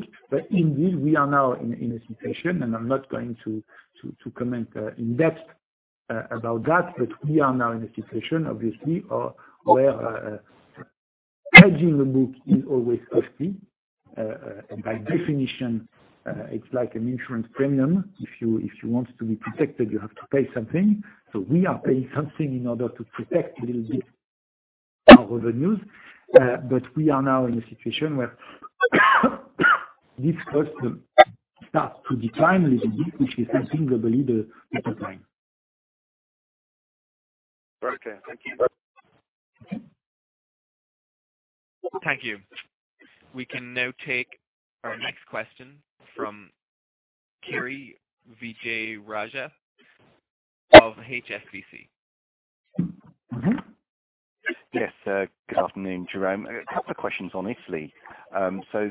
Indeed, we are now in a situation, and I'm not going to comment in depth about that, we are now in a situation, obviously, where hedging the book is always costly. By definition, it's like an insurance premium. If you want to be protected, you have to pay something. We are paying something in order to protect a little bit our revenues, we are now in a situation where this cost starts to decline a little bit, which is something globally the upper line. Okay, thank you. Thank you. We can now take our next question from Kiri Vijayarajah of HSBC. Yes. Good afternoon, Jérôme. A couple questions on Italy.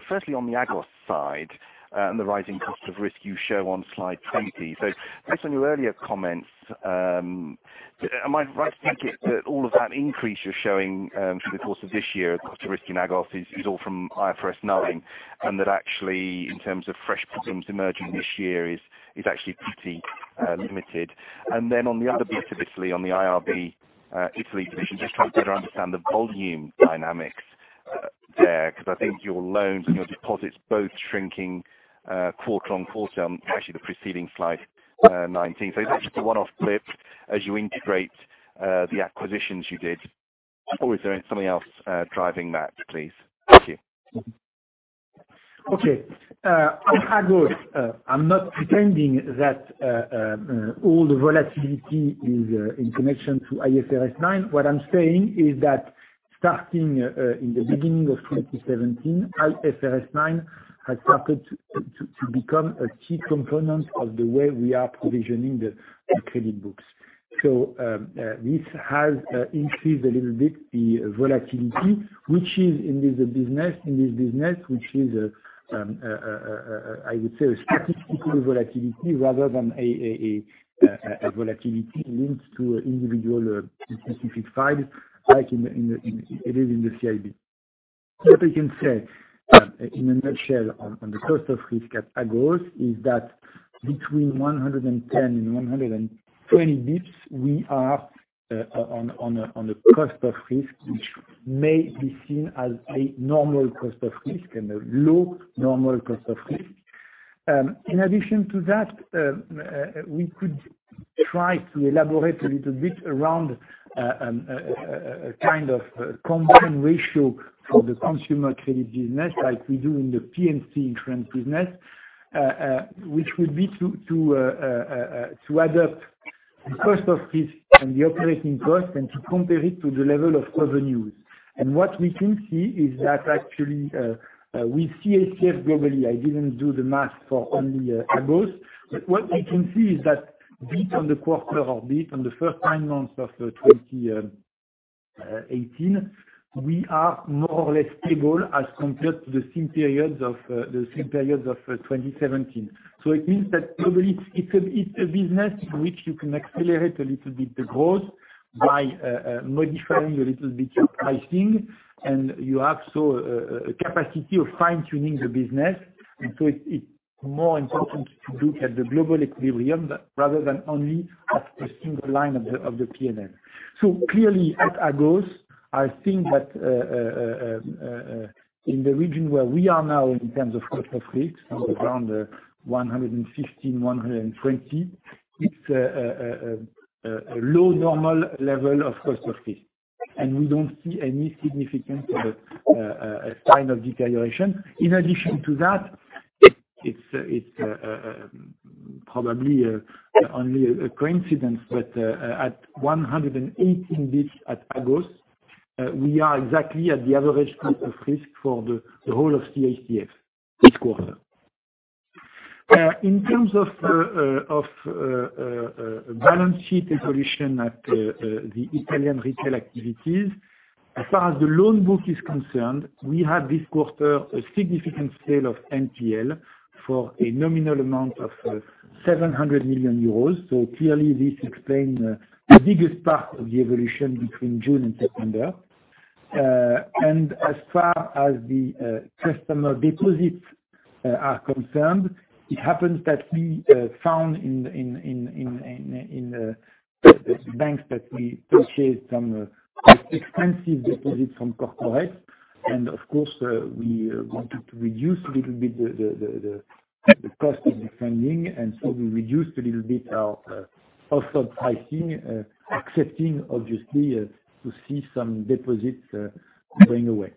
Firstly, on the Agos side, the rising cost of risk you show on slide 20. Based on your earlier comments, am I right to think that all of that increase you're showing for the course of this year, cost of risk in Agos, is all from IFRS 9? That actually, in terms of fresh problems emerging this year, is actually pretty limited. Then on the other bit of Italy, on the IRB Italy division, just trying to better understand the volume dynamics there, because I think your loans and your deposits both shrinking quarter-on-quarter on actually the preceding slide 19. Is that just a one-off blip as you integrate the acquisitions you did, or is there something else driving that, please? Thank you. Okay. On Agos, I'm not pretending that all the volatility is in connection to IFRS 9. What I'm saying is that starting in the beginning of 2017, IFRS 9 has started to become a key component of the way we are provisioning the credit books. This has increased a little bit, the volatility, which is in this business, which is, I would say, a statistical volatility rather than a volatility linked to individual specific files like it is in the CIB. What I can say in a nutshell on the cost of risk at Agos is that between 110 and 120 basis points, we are on a cost of risk, which may be seen as a normal cost of risk, and a low normal cost of risk. In addition to that, we could try to elaborate a little bit around a kind of combined ratio for the consumer credit business like we do in the P&C insurance business, which would be to add up the cost of risk and the operating cost and to compare it to the level of revenues. What we can see is that actually, we see CACF globally. I didn't do the math for only Agos, but what we can see is that bit on the quarter or bit on the first nine months of 2018, we are more or less stable as compared to the same periods of 2017. It means that globally, it's a business which you can accelerate a little bit the growth by modifying a little bit your pricing, and you have so a capacity of fine-tuning the business. It's more important to look at the global equilibrium rather than only a single line of the P&L. Clearly at Agos, I think that in the region where we are now in terms of cost of risk, somewhere around 115, 120 basis points, it's a low normal level of cost of risk. We don't see any significant sign of deterioration. In addition to that, it's probably only a coincidence, but at 118 basis points at Agos, we are exactly at the average point of risk for the whole of CACF this quarter. In terms of balance sheet evolution at the Italian retail activities, as far as the loan book is concerned, we had this quarter a significant sale of NPL for a nominal amount of 700 million euros. Clearly this explains the biggest part of the evolution between June and September. As far as the customer deposits are concerned, it happens that we found in the banks that we purchased some quite expensive deposits from Corporates. Of course, we wanted to reduce a little bit the cost of the funding, we reduced a little bit our wholesale pricing, accepting obviously to see some deposits going away.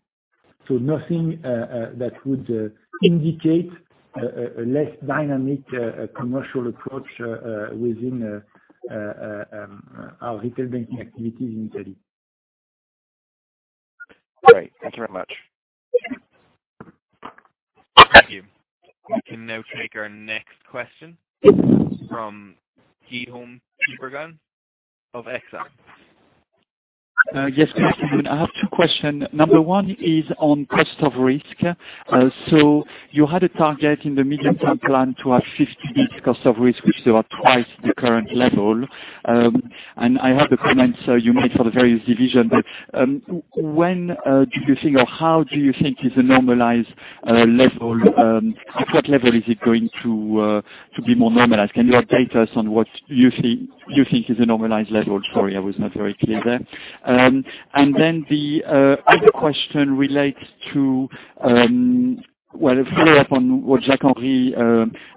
Nothing that would indicate a less dynamic commercial approach within our retail banking activities in Italy. Great. Thank you very much. Thank you. We can now take our next question from Guillaume Tiberghien of Exane. Yes, good afternoon. I have two question. Number one is on cost of risk. You had a target in the Medium-Term Plan to have 50 basis points cost of risk, which are twice the current level. I heard the comments you made for the various division, but when do you think, or how do you think is a normalized level at what level is it going to be more normalized? Can you update us on what you think is a normalized level? Sorry, I was not very clear there. The other question relates to, well, a follow-up on what Jacques-Henri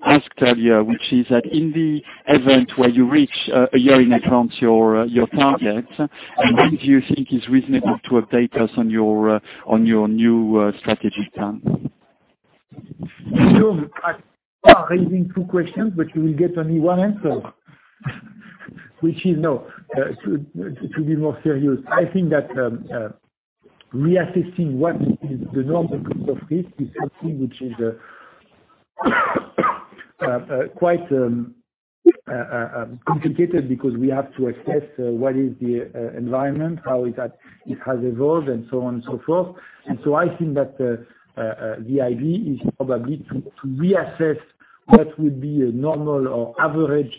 asked earlier, which is that in the event where you reach, a year in advance your target, when do you think is reasonable to update us on your new strategic plan? Guillaume, you are raising two questions, but you will get only one answer, which is no. To be more serious, I think that reassessing what is the normal cost of risk is something which is quite complicated because we have to assess what is the environment, how it has evolved and so on and so forth. I think that the idea is probably to reassess what would be a normal or average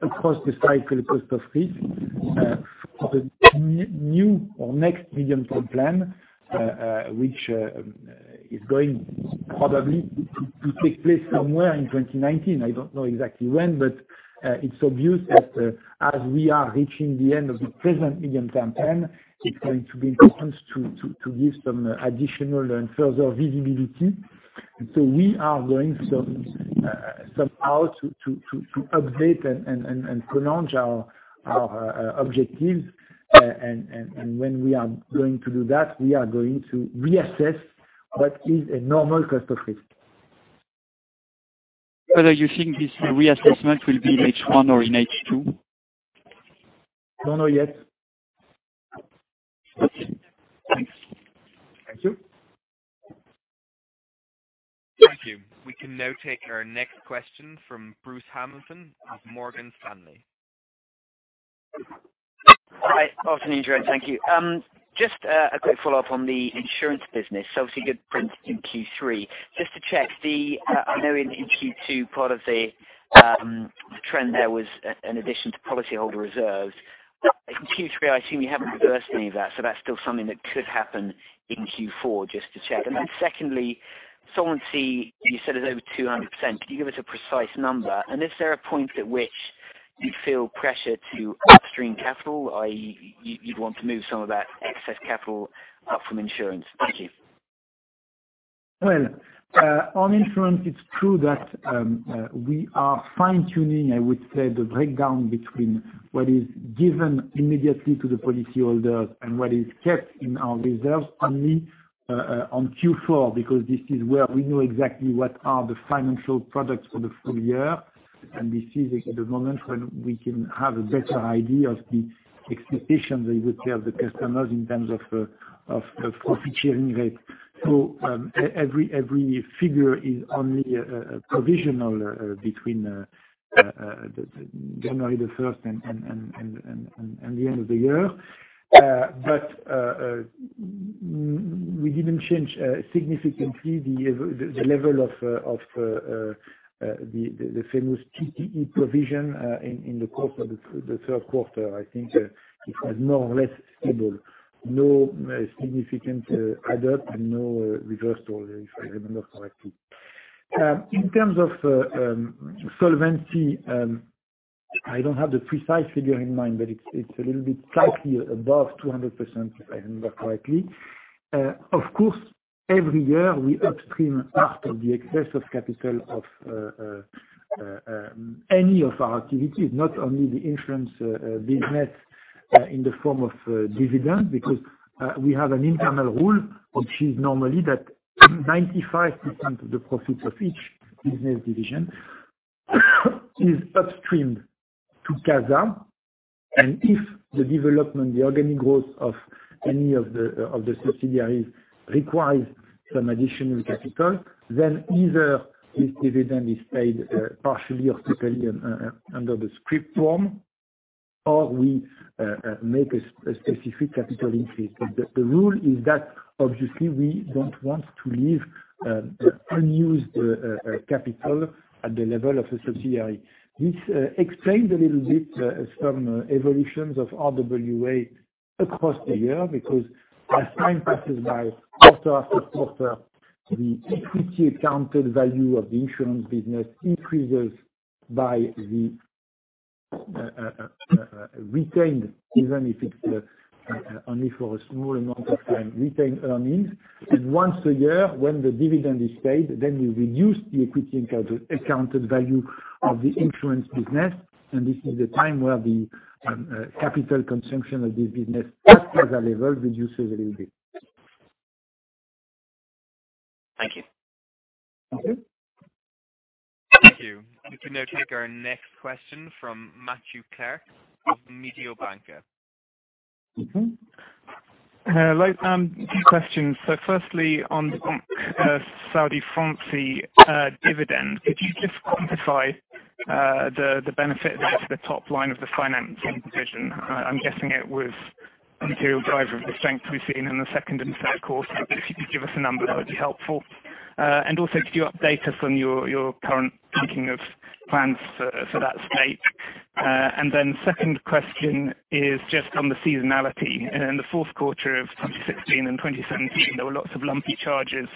across the cycle cost of risk for the new or next Medium-Term Plan, which is going probably to take place somewhere in 2019. I don't know exactly when, but it's obvious that as we are reaching the end of the present Medium-Term Plan, it's going to be important to give some additional and further visibility. We are going somehow to update and pronounce our objectives. When we are going to do that, we are going to reassess what is a normal cost of risk. You think this reassessment will be in H1 or in H2? Don't know yet. you Thank you. We can now take our next question from Bruce Hamilton of Morgan Stanley. Hi. Afternoon, Jérôme. Thank you. Just a quick follow-up on the insurance business, obviously good print in Q3. Just to check, I know in Q2 part of the trend there was an addition to policyholder reserves. In Q3, I assume you haven't reversed any of that, so that's still something that could happen in Q4, just to check. Then secondly, solvency, you said it's over 200%. Could you give us a precise number? Is there a point at which you feel pressure to upstream capital, i.e., you'd want to move some of that excess capital up from insurance? Thank you. Well, on insurance, it's true that we are fine-tuning, I would say, the breakdown between what is given immediately to the policyholders and what is kept in our reserves only on Q4, because this is where we know exactly what are the financial products for the full year. This is at the moment when we can have a better idea of the expectations, I would say, of the customers in terms of featuring rate. Every figure is only provisional between January the 1st and the end of the year. We didn't change significantly the level of the famous TTE provision in the course of the third quarter. I think it was more or less stable. No significant add up and no reversal, if I remember correctly. In terms of solvency, I don't have the precise figure in mind, but it's a little bit slightly above 200%, if I remember correctly. Of course, every year we upstream part of the excess of capital of any of our activities, not only the insurance business in the form of dividends, because we have an internal rule, which is normally that 95% of the profits of each business division is upstreamed to CASA. If the development, the organic growth of any of the subsidiaries requires some additional capital, either this dividend is paid partially or totally under the script form, or we make a specific capital increase. The rule is that obviously we don't want to leave unused capital at the level of the subsidiary. This explained a little bit some evolutions of RWA across the year, because as time passes by, quarter after quarter, the equity accounted value of the insurance business increases by the retained, even if it's only for a small amount of time, retained earnings. Once a year when the dividend is paid, we reduce the equity accounted value of the insurance business, and this is the time where the capital consumption of this business at CASA level reduces a little bit. Thank you. Okay. Thank you. We can now take our next question from Matthew Clark of Mediobanca. Okay. Two questions. Firstly, on Saudi Fransi dividend, could you just quantify the benefit that is the top line of the finance division? I am guessing it was a material driver of the strength we have seen in the second and third quarter, but if you could give us a number, that would be helpful. Also, could you update us on your current thinking of plans for that stake? Second question is just on the seasonality. In the fourth quarter of 2016 and 2017, there were lots of lumpy charges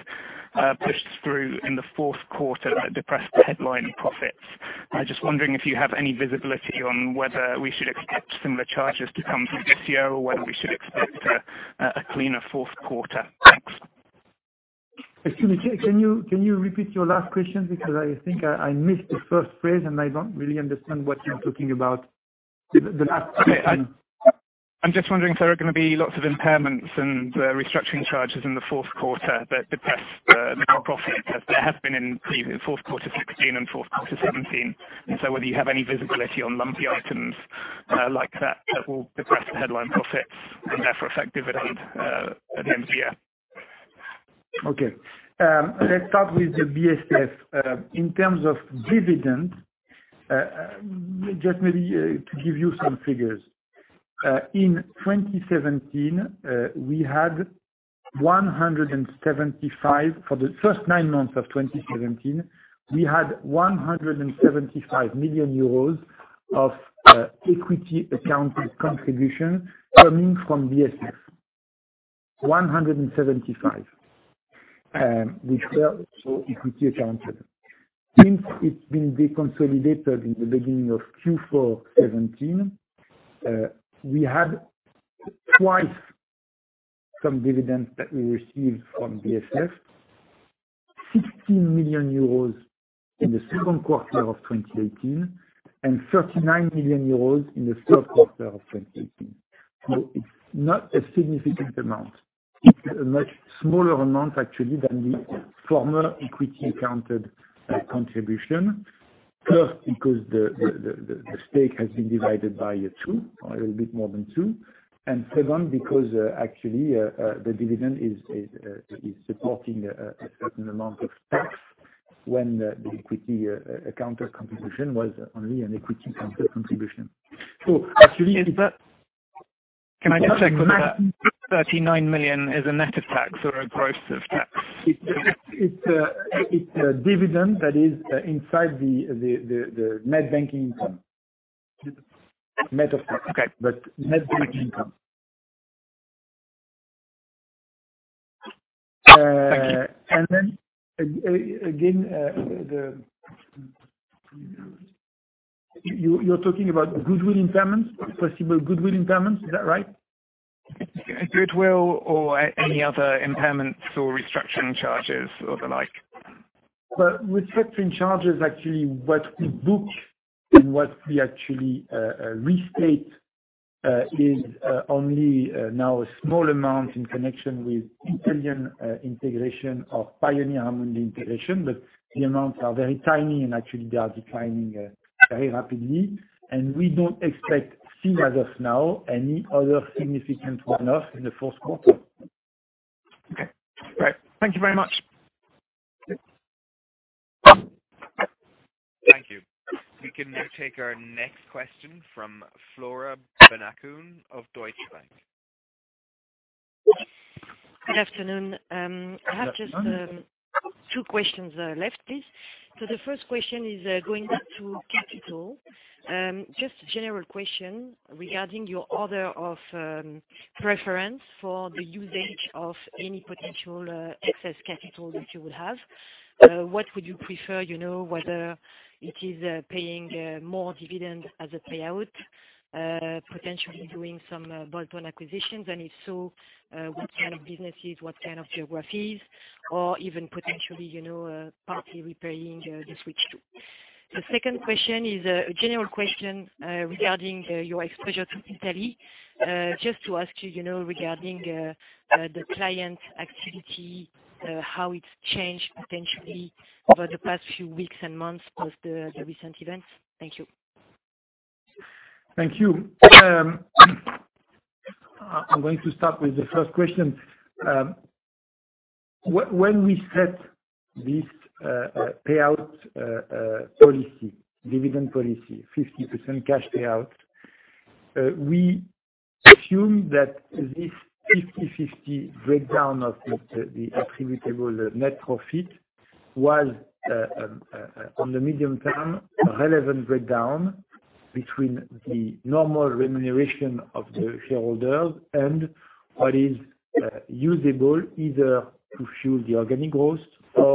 pushed through in the fourth quarter that depressed the headline profits. I am just wondering if you have any visibility on whether we should expect similar charges to come through this year, or whether we should expect a cleaner fourth quarter. Thanks. Excuse me, Matthew, can you repeat your last question? Because I think I missed the first phrase, I do not really understand what you are talking about. The last question. I am just wondering if there are going to be lots of impairments and restructuring charges in the fourth quarter that depress the net profit, as there have been in previous fourth quarter 2016 and fourth quarter 2017. So whether you have any visibility on lumpy items like that will depress the headline profits and therefore affect dividend at the end of the year. Okay. Let's start with the BSF. In terms of dividend, just maybe to give you some figures. In 2017, for the first nine months of 2017, we had 175 million euros of equity accounted contribution coming from BSF. 175. Which were for equity accounted. Since it's been deconsolidated in the beginning of Q4 2017, we had twice some dividends that we received from BSF, 16 million euros in the second quarter of 2018, and 39 million euros in the third quarter of 2018. It's not a significant amount. It's a much smaller amount, actually, than the former equity accounted contribution. First, because the stake has been divided by two, or a little bit more than two, and second, because actually, the dividend is supporting a certain amount of tax when the equity accounted contribution was only an equity accounted contribution. Can I just check that 39 million is a net of tax or a gross of tax? It's a dividend that is inside the net banking income. Net of tax. Okay. Net banking income. Then, again, you're talking about goodwill impairments, possible goodwill impairments, is that right? Goodwill or any other impairments or restructuring charges or the like. Well, restructuring charges, actually, what we book and what we actually restate is only now a small amount in connection with Italian integration of Pioneer-Amundi integration. The amounts are very tiny, and actually they are declining very rapidly. We don't expect, seen as of now, any other significant one-off in the fourth quarter. Okay. All right. Thank you very much. Thank you. We can now take our next question from Flora Benhakoun of Deutsche Bank. Good afternoon. Hello. I have just two questions left, please. The first question is going back to capital. Just a general question regarding your order of preference for the usage of any potential excess capital that you would have. What would you prefer? Whether it is paying more dividend as a payout, potentially doing some bolt-on acquisitions, and if so, what kind of businesses, what kind of geographies, or even potentially, partly repaying the Switch 2. The second question is a general question regarding your exposure to Italy. Just to ask you regarding the client activity, how it's changed potentially over the past few weeks and months post the recent events. Thank you. Thank you. I'm going to start with the first question. When we set this payout policy, dividend policy, 50% cash payout, we assumed that this 50/50 breakdown of the attributable net profit was, on the medium term, a relevant breakdown between the normal remuneration of the shareholders and what is usable either to fuel the organic growth or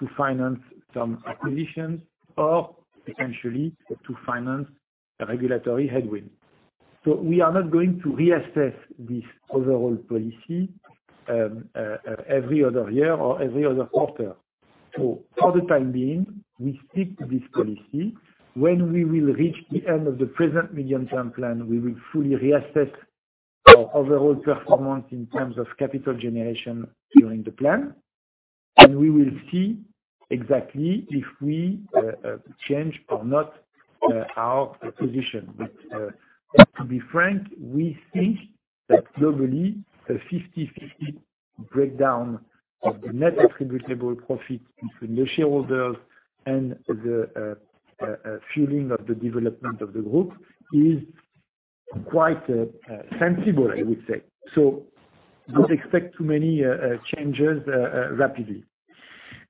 to finance some acquisitions, or potentially to finance a regulatory headwind. We are not going to reassess this overall policy every other year or every other quarter. For the time being, we stick to this policy. When we will reach the end of the present Medium-Term Plan, we will fully reassess our overall performance in terms of capital generation during the plan, and we will see exactly if we change or not our position. To be frank, we think that globally, the 50/50 breakdown of the net attributable profit between the shareholders and the fueling of the development of the group is quite sensible, I would say. Don't expect too many changes rapidly.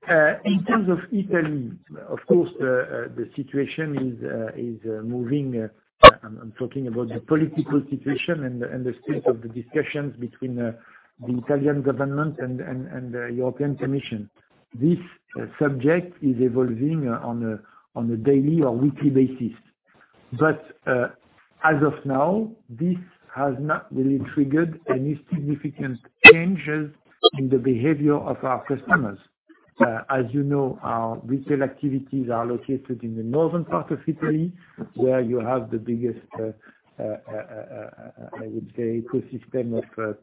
In terms of Italy, of course, the situation is moving. I'm talking about the political situation and the state of the discussions between the Italian government and the European Commission. This subject is evolving on a daily or weekly basis. As of now, this has not really triggered any significant changes in the behavior of our customers. As you know, our retail activities are located in the northern part of Italy, where you have the biggest, I would say, ecosystem of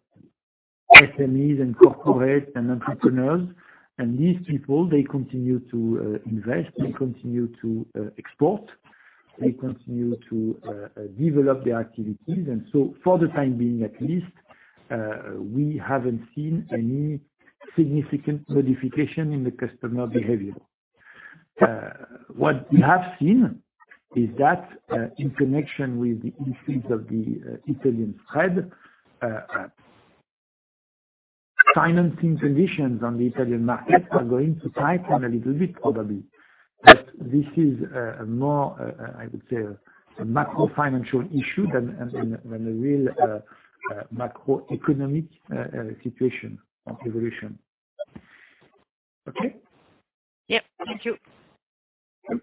SMEs and corporate and entrepreneurs. These people, they continue to invest, they continue to export, they continue to develop their activities. For the time being, at least, we haven't seen any significant modification in the customer behavior. What we have seen is that in connection with the increase of the Italian spread, financing conditions on the Italian market are going to tighten a little bit, probably. This is more, I would say, a macro financial issue than a real macroeconomic situation or evolution. Okay? Yep. Thank you. Yep.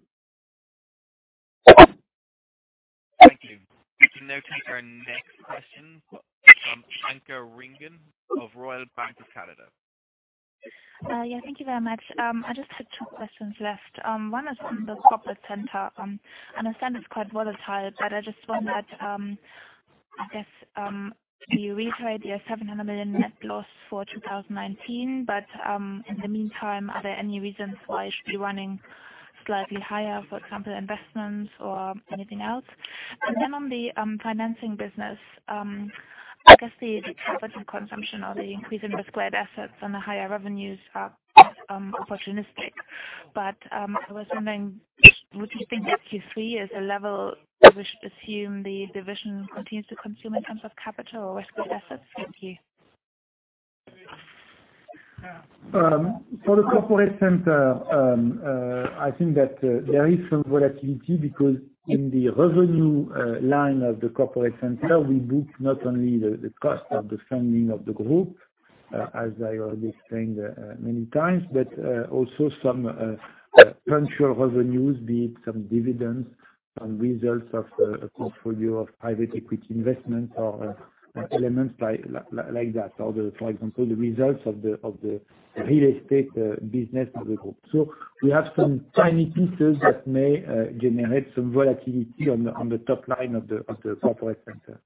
Thank you. I can now take our next question from Anke Reingen of Royal Bank of Canada. Yeah. Thank you very much. I just have two questions left. One is on the corporate center. I understand it's quite volatile, but I just wonder, I guess, do you reiterate your 700 million net loss for 2019? In the meantime, are there any reasons why it should be running slightly higher, for example, investments or anything else? On the financing business, I guess the capital consumption or the increase in risk-weighted assets and the higher revenues are opportunistic. I was wondering, would you think Q3 is a level we should assume the division continues to consume in terms of capital or risk-weighted assets? Thank you. For the corporate center, I think that there is some volatility because in the revenue line of the corporate center, we book not only the cost of the funding of the group, as I already explained many times, but also some potential revenues, be it some dividends, some results of a portfolio of private equity investments or elements like that. For example, the results of the real estate business of the group. We have some tiny pieces that may generate some volatility on the top line of the corporate center.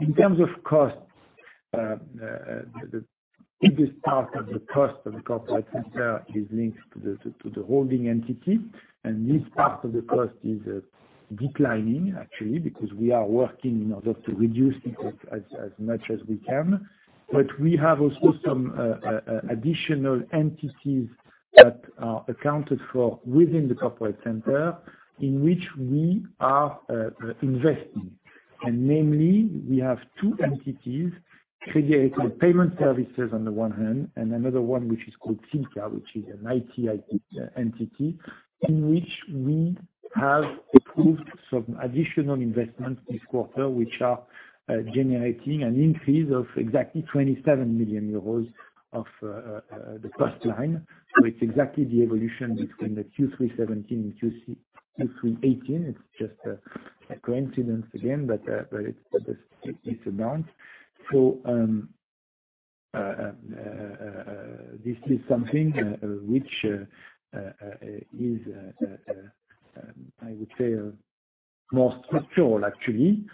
In terms of costs, the biggest part of the cost of the corporate center is linked to the holding entity, and this part of the cost is declining, actually, because we are working in order to reduce the cost as much as we can. We have also some additional entities that are accounted for within the corporate center in which we are investing. Namely, we have two entities created, payment services on the one hand, and another one which is called [Thinka], which is an IT entity in which we have approved some additional investments this quarter, which are generating an increase of exactly 27 million euros of the cost line. It's exactly the evolution between the Q3 2017 and Q3 2018. It's just a coincidence again, but it's this amount. This is something which is, I would say, more structural, actually.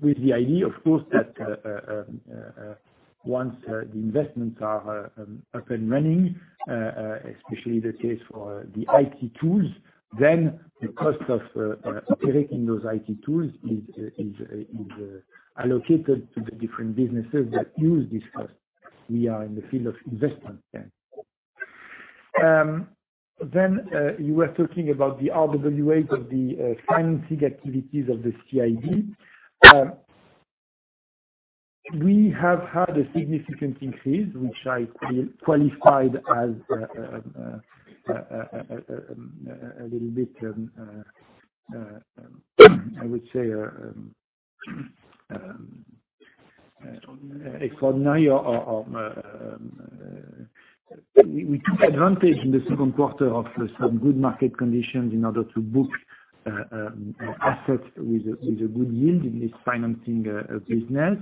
With the idea, of course, that once the investments are up and running, especially the case for the IT tools, then the cost of operating those IT tools is allocated to the different businesses that use this cost. We are in the field of investment then. You were talking about the RWA of the financing activities of the CIB. We have had a significant increase, which I qualified as a little bit, I would say, extraordinary. We took advantage in the second quarter of some good market conditions in order to book assets with a good yield in this financing business.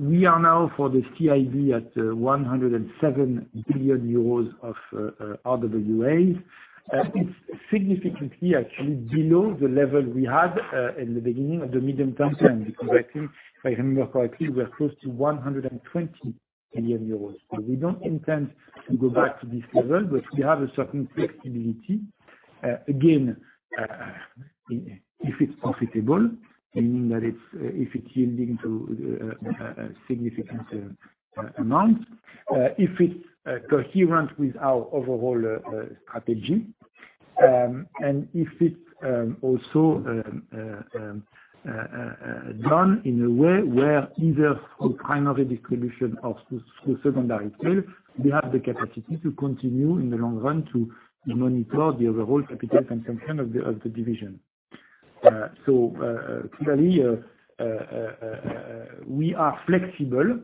We are now for the CIB at 107 billion euros of RWAs. It's significantly actually below the level we had in the beginning of the Medium-Term Plan, because I think, if I remember correctly, we are close to 120 billion euros. We don't intend to go back to this level, but we have a certain flexibility. Again, if it's profitable, meaning that if it's yielding to a significant amount, if it's coherent with our overall strategy, and if it's also done in a way where either through primary distribution or through secondary sale, we have the capacity to continue in the long run to monitor the overall capital consumption of the division. Clearly, we are flexible,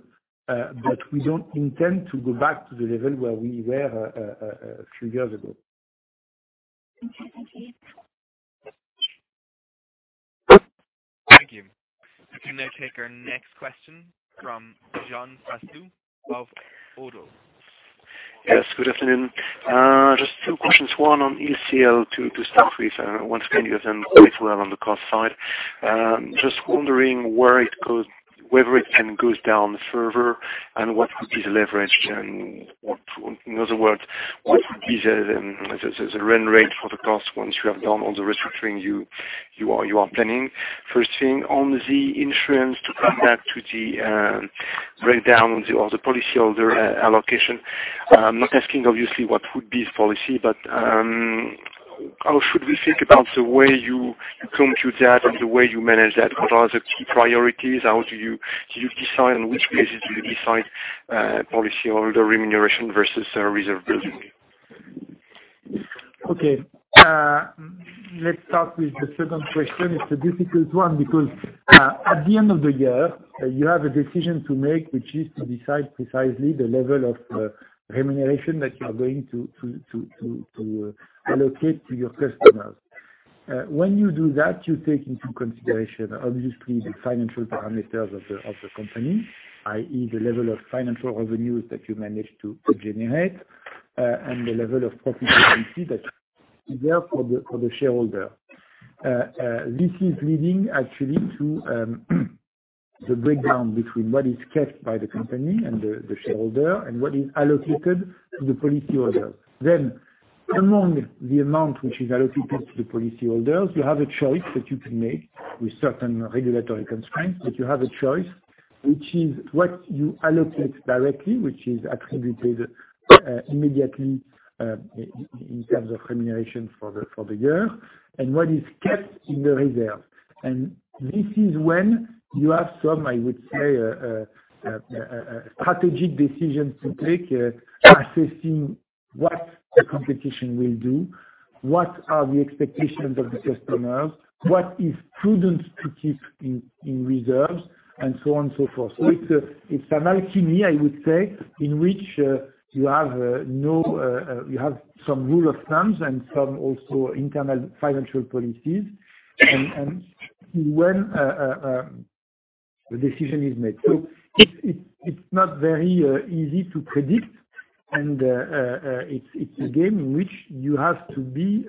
but we don't intend to go back to the level where we were a few years ago. Thank you. We can now take our next question from Jean-François of Odoo. Yes, good afternoon. Just two questions, one on LCL to start with. Once again, you've done quite well on the cost side. Just wondering whether it can go down further, what would be the leverage. In other words, what would be the run rate for the cost once you have done all the restructuring you are planning? On the insurance, to come back to the breakdown of the policyholder allocation. I'm not asking obviously what would be the policy, but how should we think about the way you compute that and the way you manage that? What are the key priorities? How do you decide, on which basis do you decide policyholder remuneration versus reserve building? Okay. Let's start with the second question. It's a difficult one because at the end of the year, you have a decision to make, which is to decide precisely the level of remuneration that you are going to allocate to your customers. When you do that, you take into consideration, obviously, the financial parameters of the company, i.e., the level of financial revenues that you managed to generate and the level of profitability that is there for the shareholder. It is leading actually to the breakdown between what is kept by the company and the shareholder and what is allocated to the policyholder. Among the amount which is allocated to the policyholders, you have a choice that you can make with certain regulatory constraints, but you have a choice, which is what you allocate directly, which is attributed immediately in terms of remuneration for the year, and what is kept in the reserve. This is when you have some, I would say, strategic decisions to take, assessing what the competition will do, what are the expectations of the customers, what is prudent to keep in reserves, and so on and so forth. It's an alchemy, I would say, in which you have some rule of thumbs and some also internal financial policies, and when the decision is made. It's not very easy to predict, and it's a game in which you have to be,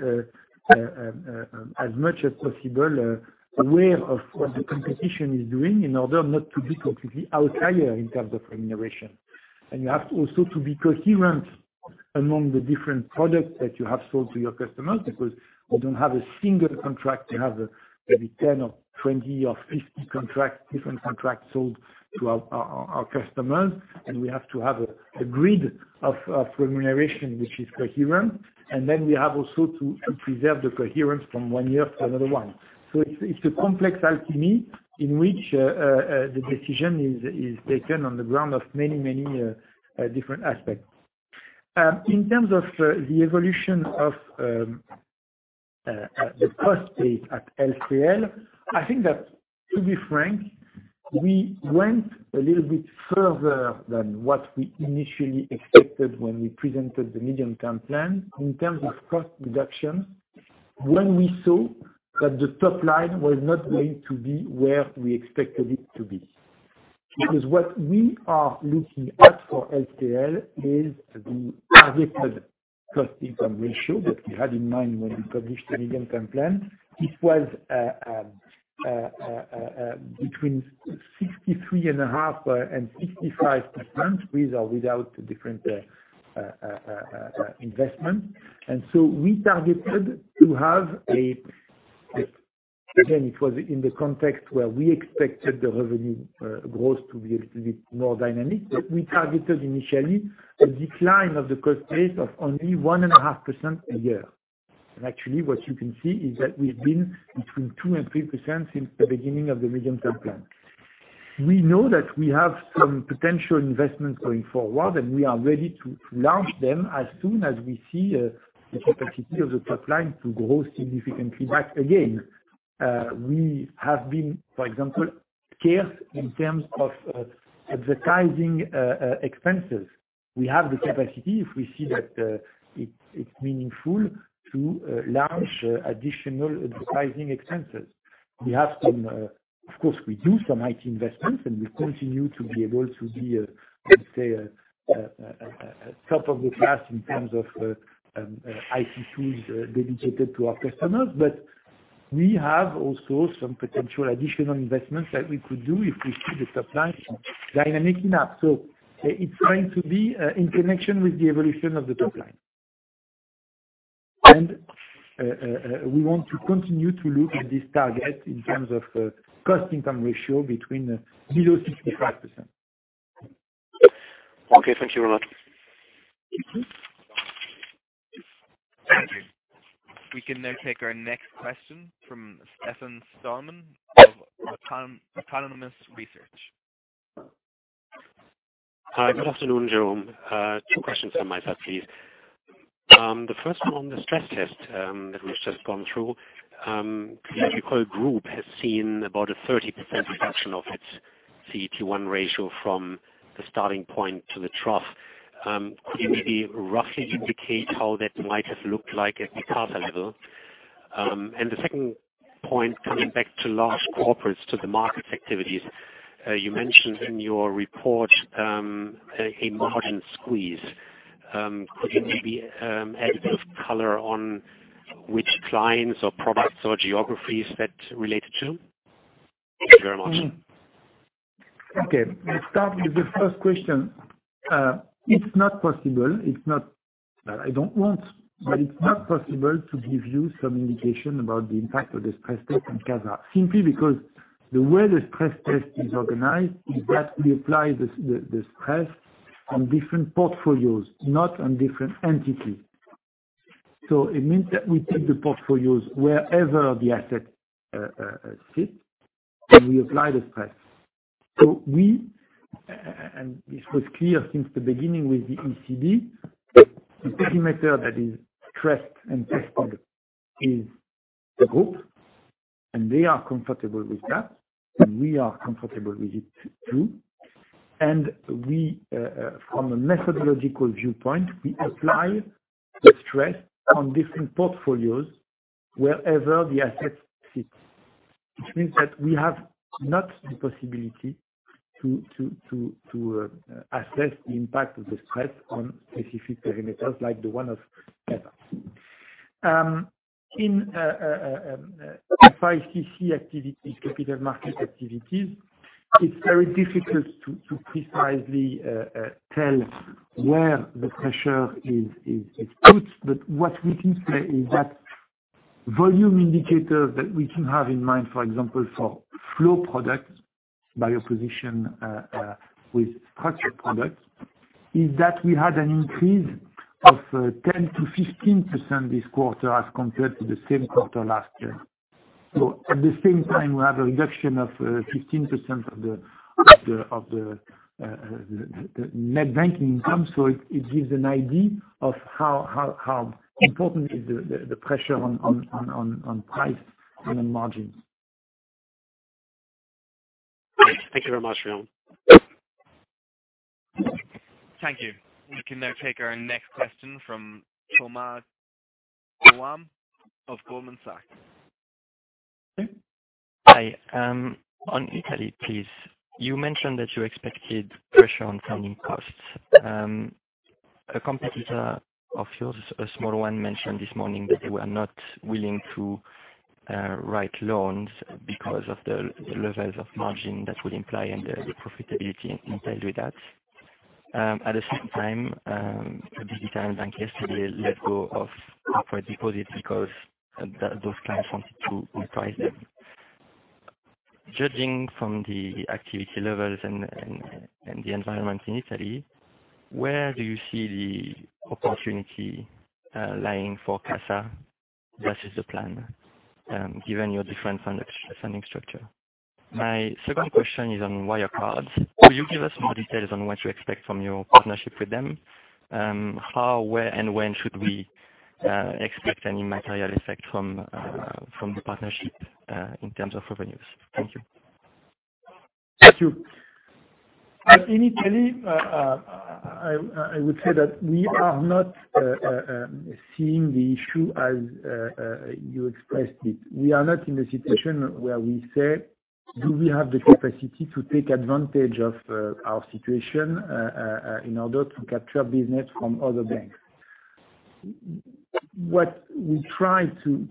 as much as possible, aware of what the competition is doing in order not to be completely outlier in terms of remuneration. You have also to be coherent among the different products that you have sold to your customers, because you don't have a single contract, you have maybe 10 or 20 or 50 different contracts sold to our customers, and we have to have a grid of remuneration which is coherent. We have also to preserve the coherence from one year to another one. It's a complex alchemy in which the decision is taken on the ground of many, many different aspects. In terms of the evolution of the cost base at LCL, I think that, to be frank, we went a little bit further than what we initially expected when we presented the Medium-Term Plan in terms of cost reduction when we saw that the top line was not going to be where we expected it to be. Because what we are looking at for LCL is the targeted cost-income ratio that we had in mind when we published the Medium-Term Plan. It was between 63.5% and 65%, with or without different investments. We targeted to have a Again, it was in the context where we expected the revenue growth to be a little bit more dynamic. We targeted initially a decline of the cost base of only 1.5% a year. Actually, what you can see is that we've been between 2% and 3% since the beginning of the Medium-Term Plan. We know that we have some potential investments going forward, and we are ready to launch them as soon as we see the capacity of the top line to grow significantly. Again, we have been, for example, scarce in terms of advertising expenses. We have the capacity, if we see that it's meaningful, to launch additional advertising expenses. Of course, we do some IT investments, and we continue to be able to be, let's say, top of the class in terms of IT tools dedicated to our customers. We have also some potential additional investments that we could do if we see the top line dynamic enough. It's going to be in connection with the evolution of the top line. We want to continue to look at this target in terms of cost-income ratio between below 65%. Okay. Thank you very much. Thank you. We can now take our next question from Stefan Stalmann of Autonomous Research. Hi. Good afternoon, Jérôme. Two questions from myself, please. The first one on the stress test that we've just gone through. Crédit Agricole Group has seen about a 30% reduction of its CET1 ratio from the starting point to the trough. Could you maybe roughly indicate how that might have looked like at the CASA level? The second point, coming back to large corporates, to the markets activities, you mentioned in your report a margin squeeze. Could you maybe add a bit of color on which clients or products or geographies that related to? Thank you very much. Okay. I'll start with the first question. It's not possible. It's not that I don't want, but it's not possible to give you some indication about the impact of the stress test on CASA. Simply because the way the stress test is organized is that we apply the stress on different portfolios, not on different entities. It means that we take the portfolios wherever the asset sits, and we apply the stress. This was clear since the beginning with the ECB. The perimeter that is stressed and tested is the group, and they are comfortable with that, and we are comfortable with it, too. From a methodological viewpoint, we apply the stress on different portfolios wherever the asset sits, which means that we have not the possibility to assess the impact of the stress on specific perimeters like the one of CASA. In FICC activities, capital markets activities, it's very difficult to precisely tell where the pressure is put. What we can say is that volume indicators that we can have in mind, for example, for flow products, by opposition with structured products, is that we had an increase of 10%-15% this quarter as compared to the same quarter last year. At the same time, we have a reduction of 15% of the net banking income. It gives an idea of how important is the pressure on price and on margins. Thank you very much, Jérôme. Thank you. We can now take our next question from Thomas Roam of Goldman Sachs. Hi. On Italy, please. You mentioned that you expected pressure on funding costs. A competitor of yours, a small one, mentioned this morning that they were not willing to write loans because of the levels of margin that would imply and the profitability entailed with that. A digital bank yesterday let go of corporate deposits because those clients wanted to reprice them. Judging from the activity levels and the environment in Italy, where do you see the opportunity lying for CASA versus the plan, given your different funding structure? My second question is on Wirecard. Can you give us more details on what you expect from your partnership with them? How, where, and when should we expect any material effect from the partnership in terms of revenues? Thank you. Thank you. In Italy, I would say that we are not seeing the issue as you expressed it. We are not in a situation where we say, do we have the capacity to take advantage of our situation in order to capture business from other banks? What we try to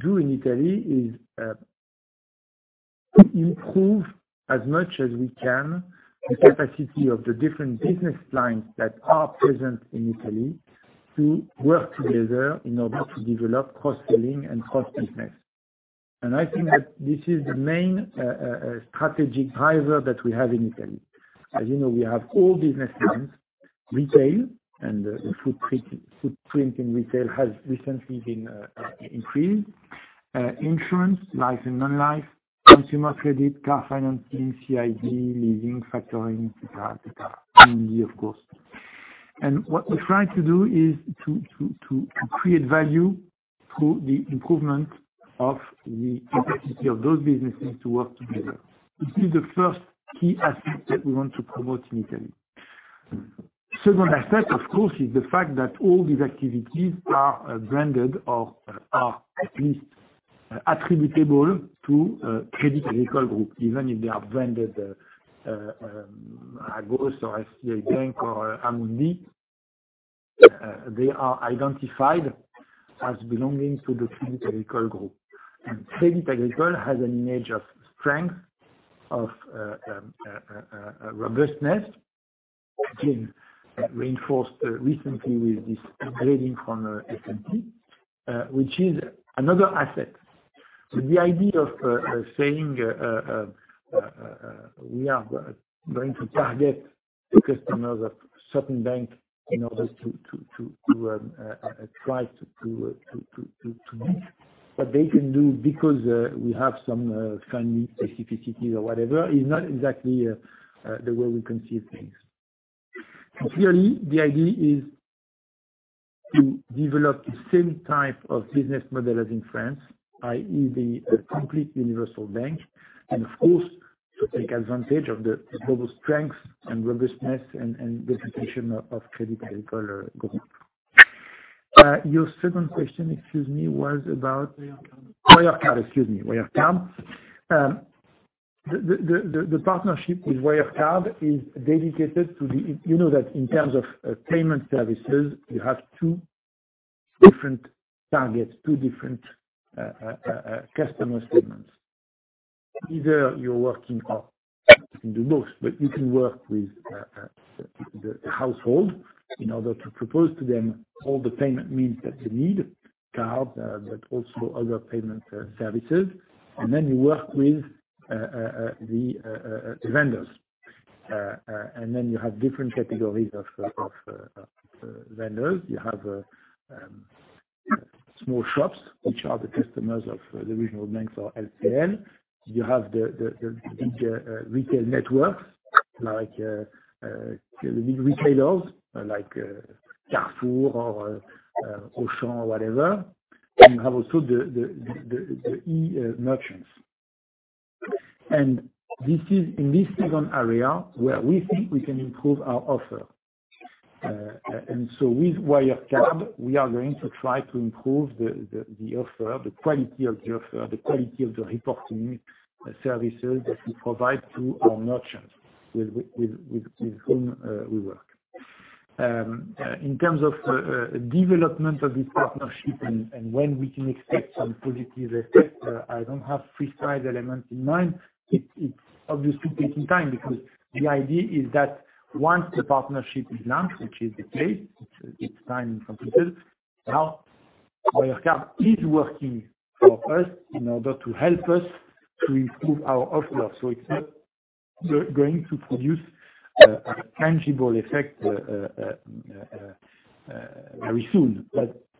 do in Italy is improve as much as we can the capacity of the different business lines that are present in Italy to work together in order to develop cross-selling and cross business. I think that this is the main strategic driver that we have in Italy. As you know, we have all business lines, retail, and the footprint in retail has recently been increased. Insurance, life and non-life, consumer credit, car financing, CIB, leasing, factoring, et cetera. Amundi, of course. What we try to do is to create value through the improvement of the capacity of those businesses to work together. This is the first key aspect that we want to promote in Italy. Second aspect, of course, is the fact that all these activities are branded or are at least attributable to Crédit Agricole Group, even if they are branded Agos, or FCA Bank, or Amundi. They are identified as belonging to the Crédit Agricole Group. Crédit Agricole has an image of strength, of robustness, again, reinforced recently with this upgrading from S&P, which is another asset. The idea of saying we are going to target the customers of certain banks in order to try to make what they can do, because we have some friendly specificities or whatever, is not exactly the way we conceive things. Clearly, the idea is to develop the same type of business model as in France, i.e., the complete universal bank, and of course, to take advantage of the global strength and robustness and reputation of Crédit Agricole Group. Your second question, excuse me, was about- Wirecard. Wirecard, excuse me. Wirecard. The partnership with Wirecard is dedicated to the You know that in terms of payment services, you have two different targets, two different customer segments. Either you're working or you can do both, but you can work with the household in order to propose to them all the payment means that they need, card, but also other payment services. Then you work with the vendors. Then you have different categories of vendors. You have small shops, which are the customers of the regional banks or LCL. You have the big retail networks, like the big retailers, like [Carrefour] or Auchan or whatever. You have also the e-merchants. This is in this second area where we think we can improve our offer. With Wirecard, we are going to try to improve the offer, the quality of the offer, the quality of the reporting services that we provide to our merchants with whom we work. In terms of development of this partnership and when we can expect some positive effect, I don't have precise elements in mind. It's obviously taking time because the idea is that once the partnership is launched, which is the case, it's signed and completed. Wirecard is working for us in order to help us to improve our offer. It's not going to produce a tangible effect very soon.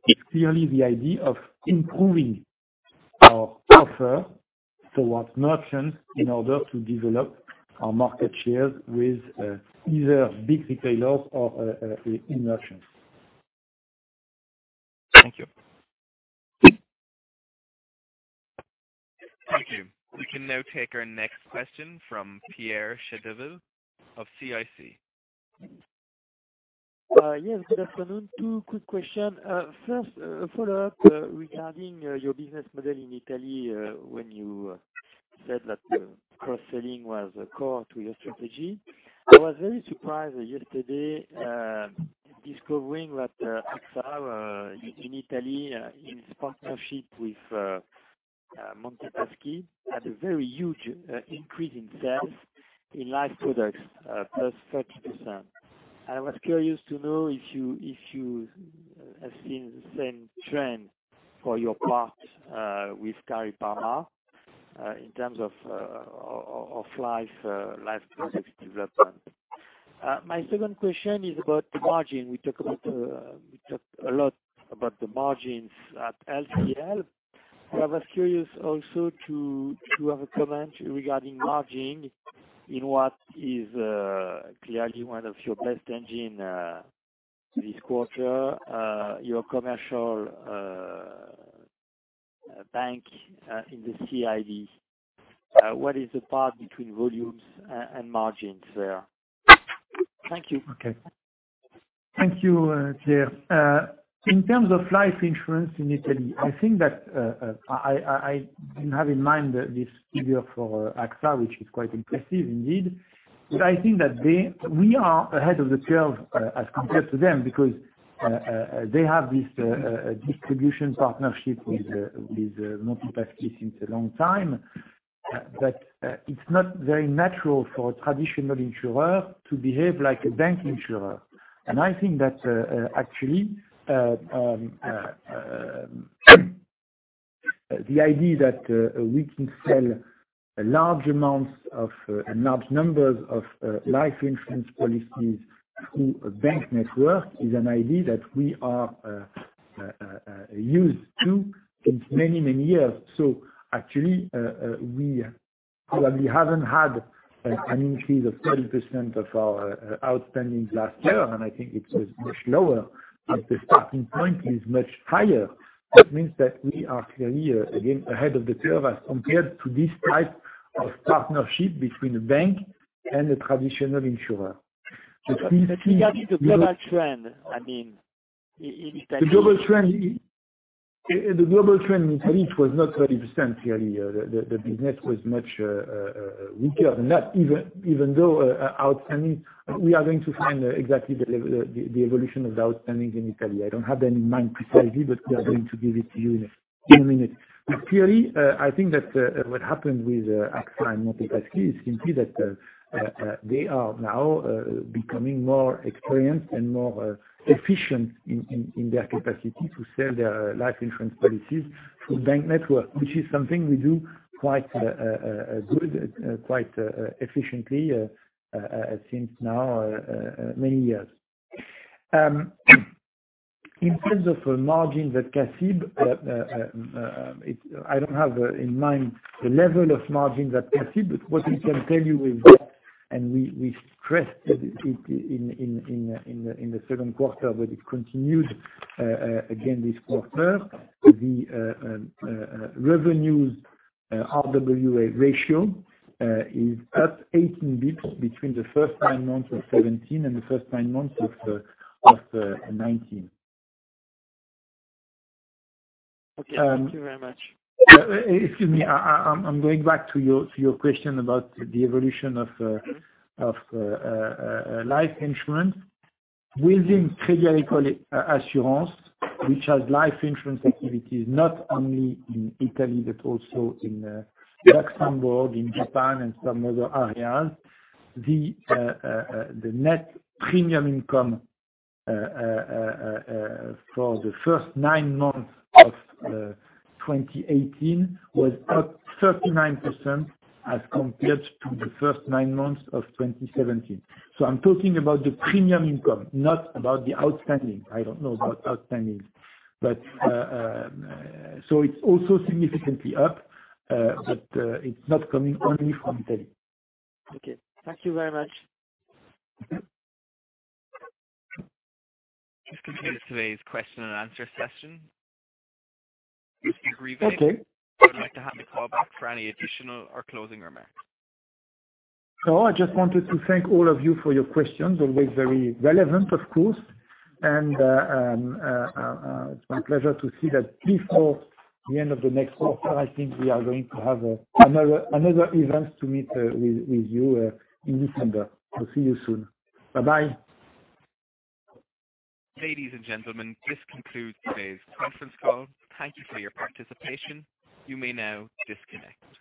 It's clearly the idea of improving our offer towards merchants in order to develop our market shares with either big retailers or e-merchants. Thank you. Thank you. We can now take our next question from Pierre Chedeville of CIC. Yes, good afternoon. Two quick questions. First, a follow-up regarding your business model in Italy when you said that cross-selling was core to your strategy. I was very surprised yesterday discovering that AXA in Italy in its partnership with Monte Paschi, had a very huge increase in sales in life products, +30%. I was curious to know if you have seen the same trend for your part with Cariparma in terms of life products development. My second question is about the margin. We talked a lot about the margins at LCL. I was curious also to have a comment regarding margin in what is clearly one of your best engine this quarter, your commercial bank in the CIB. What is the part between volumes and margins there? Thank you. Okay. Thank you, Pierre. In terms of life insurance in Italy, I have in mind this figure for AXA, which is quite impressive indeed. I think that we are ahead of the curve as compared to them because they have this distribution partnership with Monte Paschi since a long time. It's not very natural for a traditional insurer to behave like a bank insurer. I think that actually, the idea that we can sell large amounts of, and large numbers of life insurance policies through a bank network is an idea that we are used to since many years. So actually, we probably haven't had an increase of 30% of our outstandings last year, and I think it was much lower, but the starting point is much higher. That means that we are clearly, again, ahead of the curve as compared to this type of partnership between a bank and a traditional insurer. Regarding the global trend, I mean, in Italy. The global trend in Italy was not 30%, clearly. The business was much weaker than that, even though our outstandings. We are going to find exactly the evolution of the outstandings in Italy. I don't have them in mind precisely, but we are going to give it to you in a minute. Clearly, I think that what happened with AXA and Monte Paschi is simply that they are now becoming more experienced and more efficient in their capacity to sell their life insurance policies through bank network, which is something we do quite good, quite efficiently since now many years. In terms of the margin that CA-CIB, I don't have in mind the level of margin that CA-CIB, but what we can tell you is that, and we stressed it in the second quarter, but it continued again this quarter, the revenues RWA ratio is up 18 basis points between the first nine months of 2017 and the first nine months of 2019. Okay. Thank you very much. Excuse me, I'm going back to your question about the evolution of life insurance. Within Crédit Agricole Assurances, which has life insurance activities, not only in Italy but also in Luxembourg, in Japan, and some other areas, the net premium income for the first nine months of 2018 was up 39% as compared to the first nine months of 2017. I'm talking about the premium income, not about the outstandings. I don't know about outstandings. It's also significantly up, but it's not coming only from Italy. Okay. Thank you very much. This concludes today's question and answer session. Mr. Grivet- Okay Would you like to have me call back for any additional or closing remarks? No, I just wanted to thank all of you for your questions. Always very relevant, of course. It's my pleasure to see that before the end of the next quarter, I think we are going to have another event to meet with you in December. I'll see you soon. Bye-bye. Ladies and gentlemen, this concludes today's conference call. Thank you for your participation. You may now disconnect.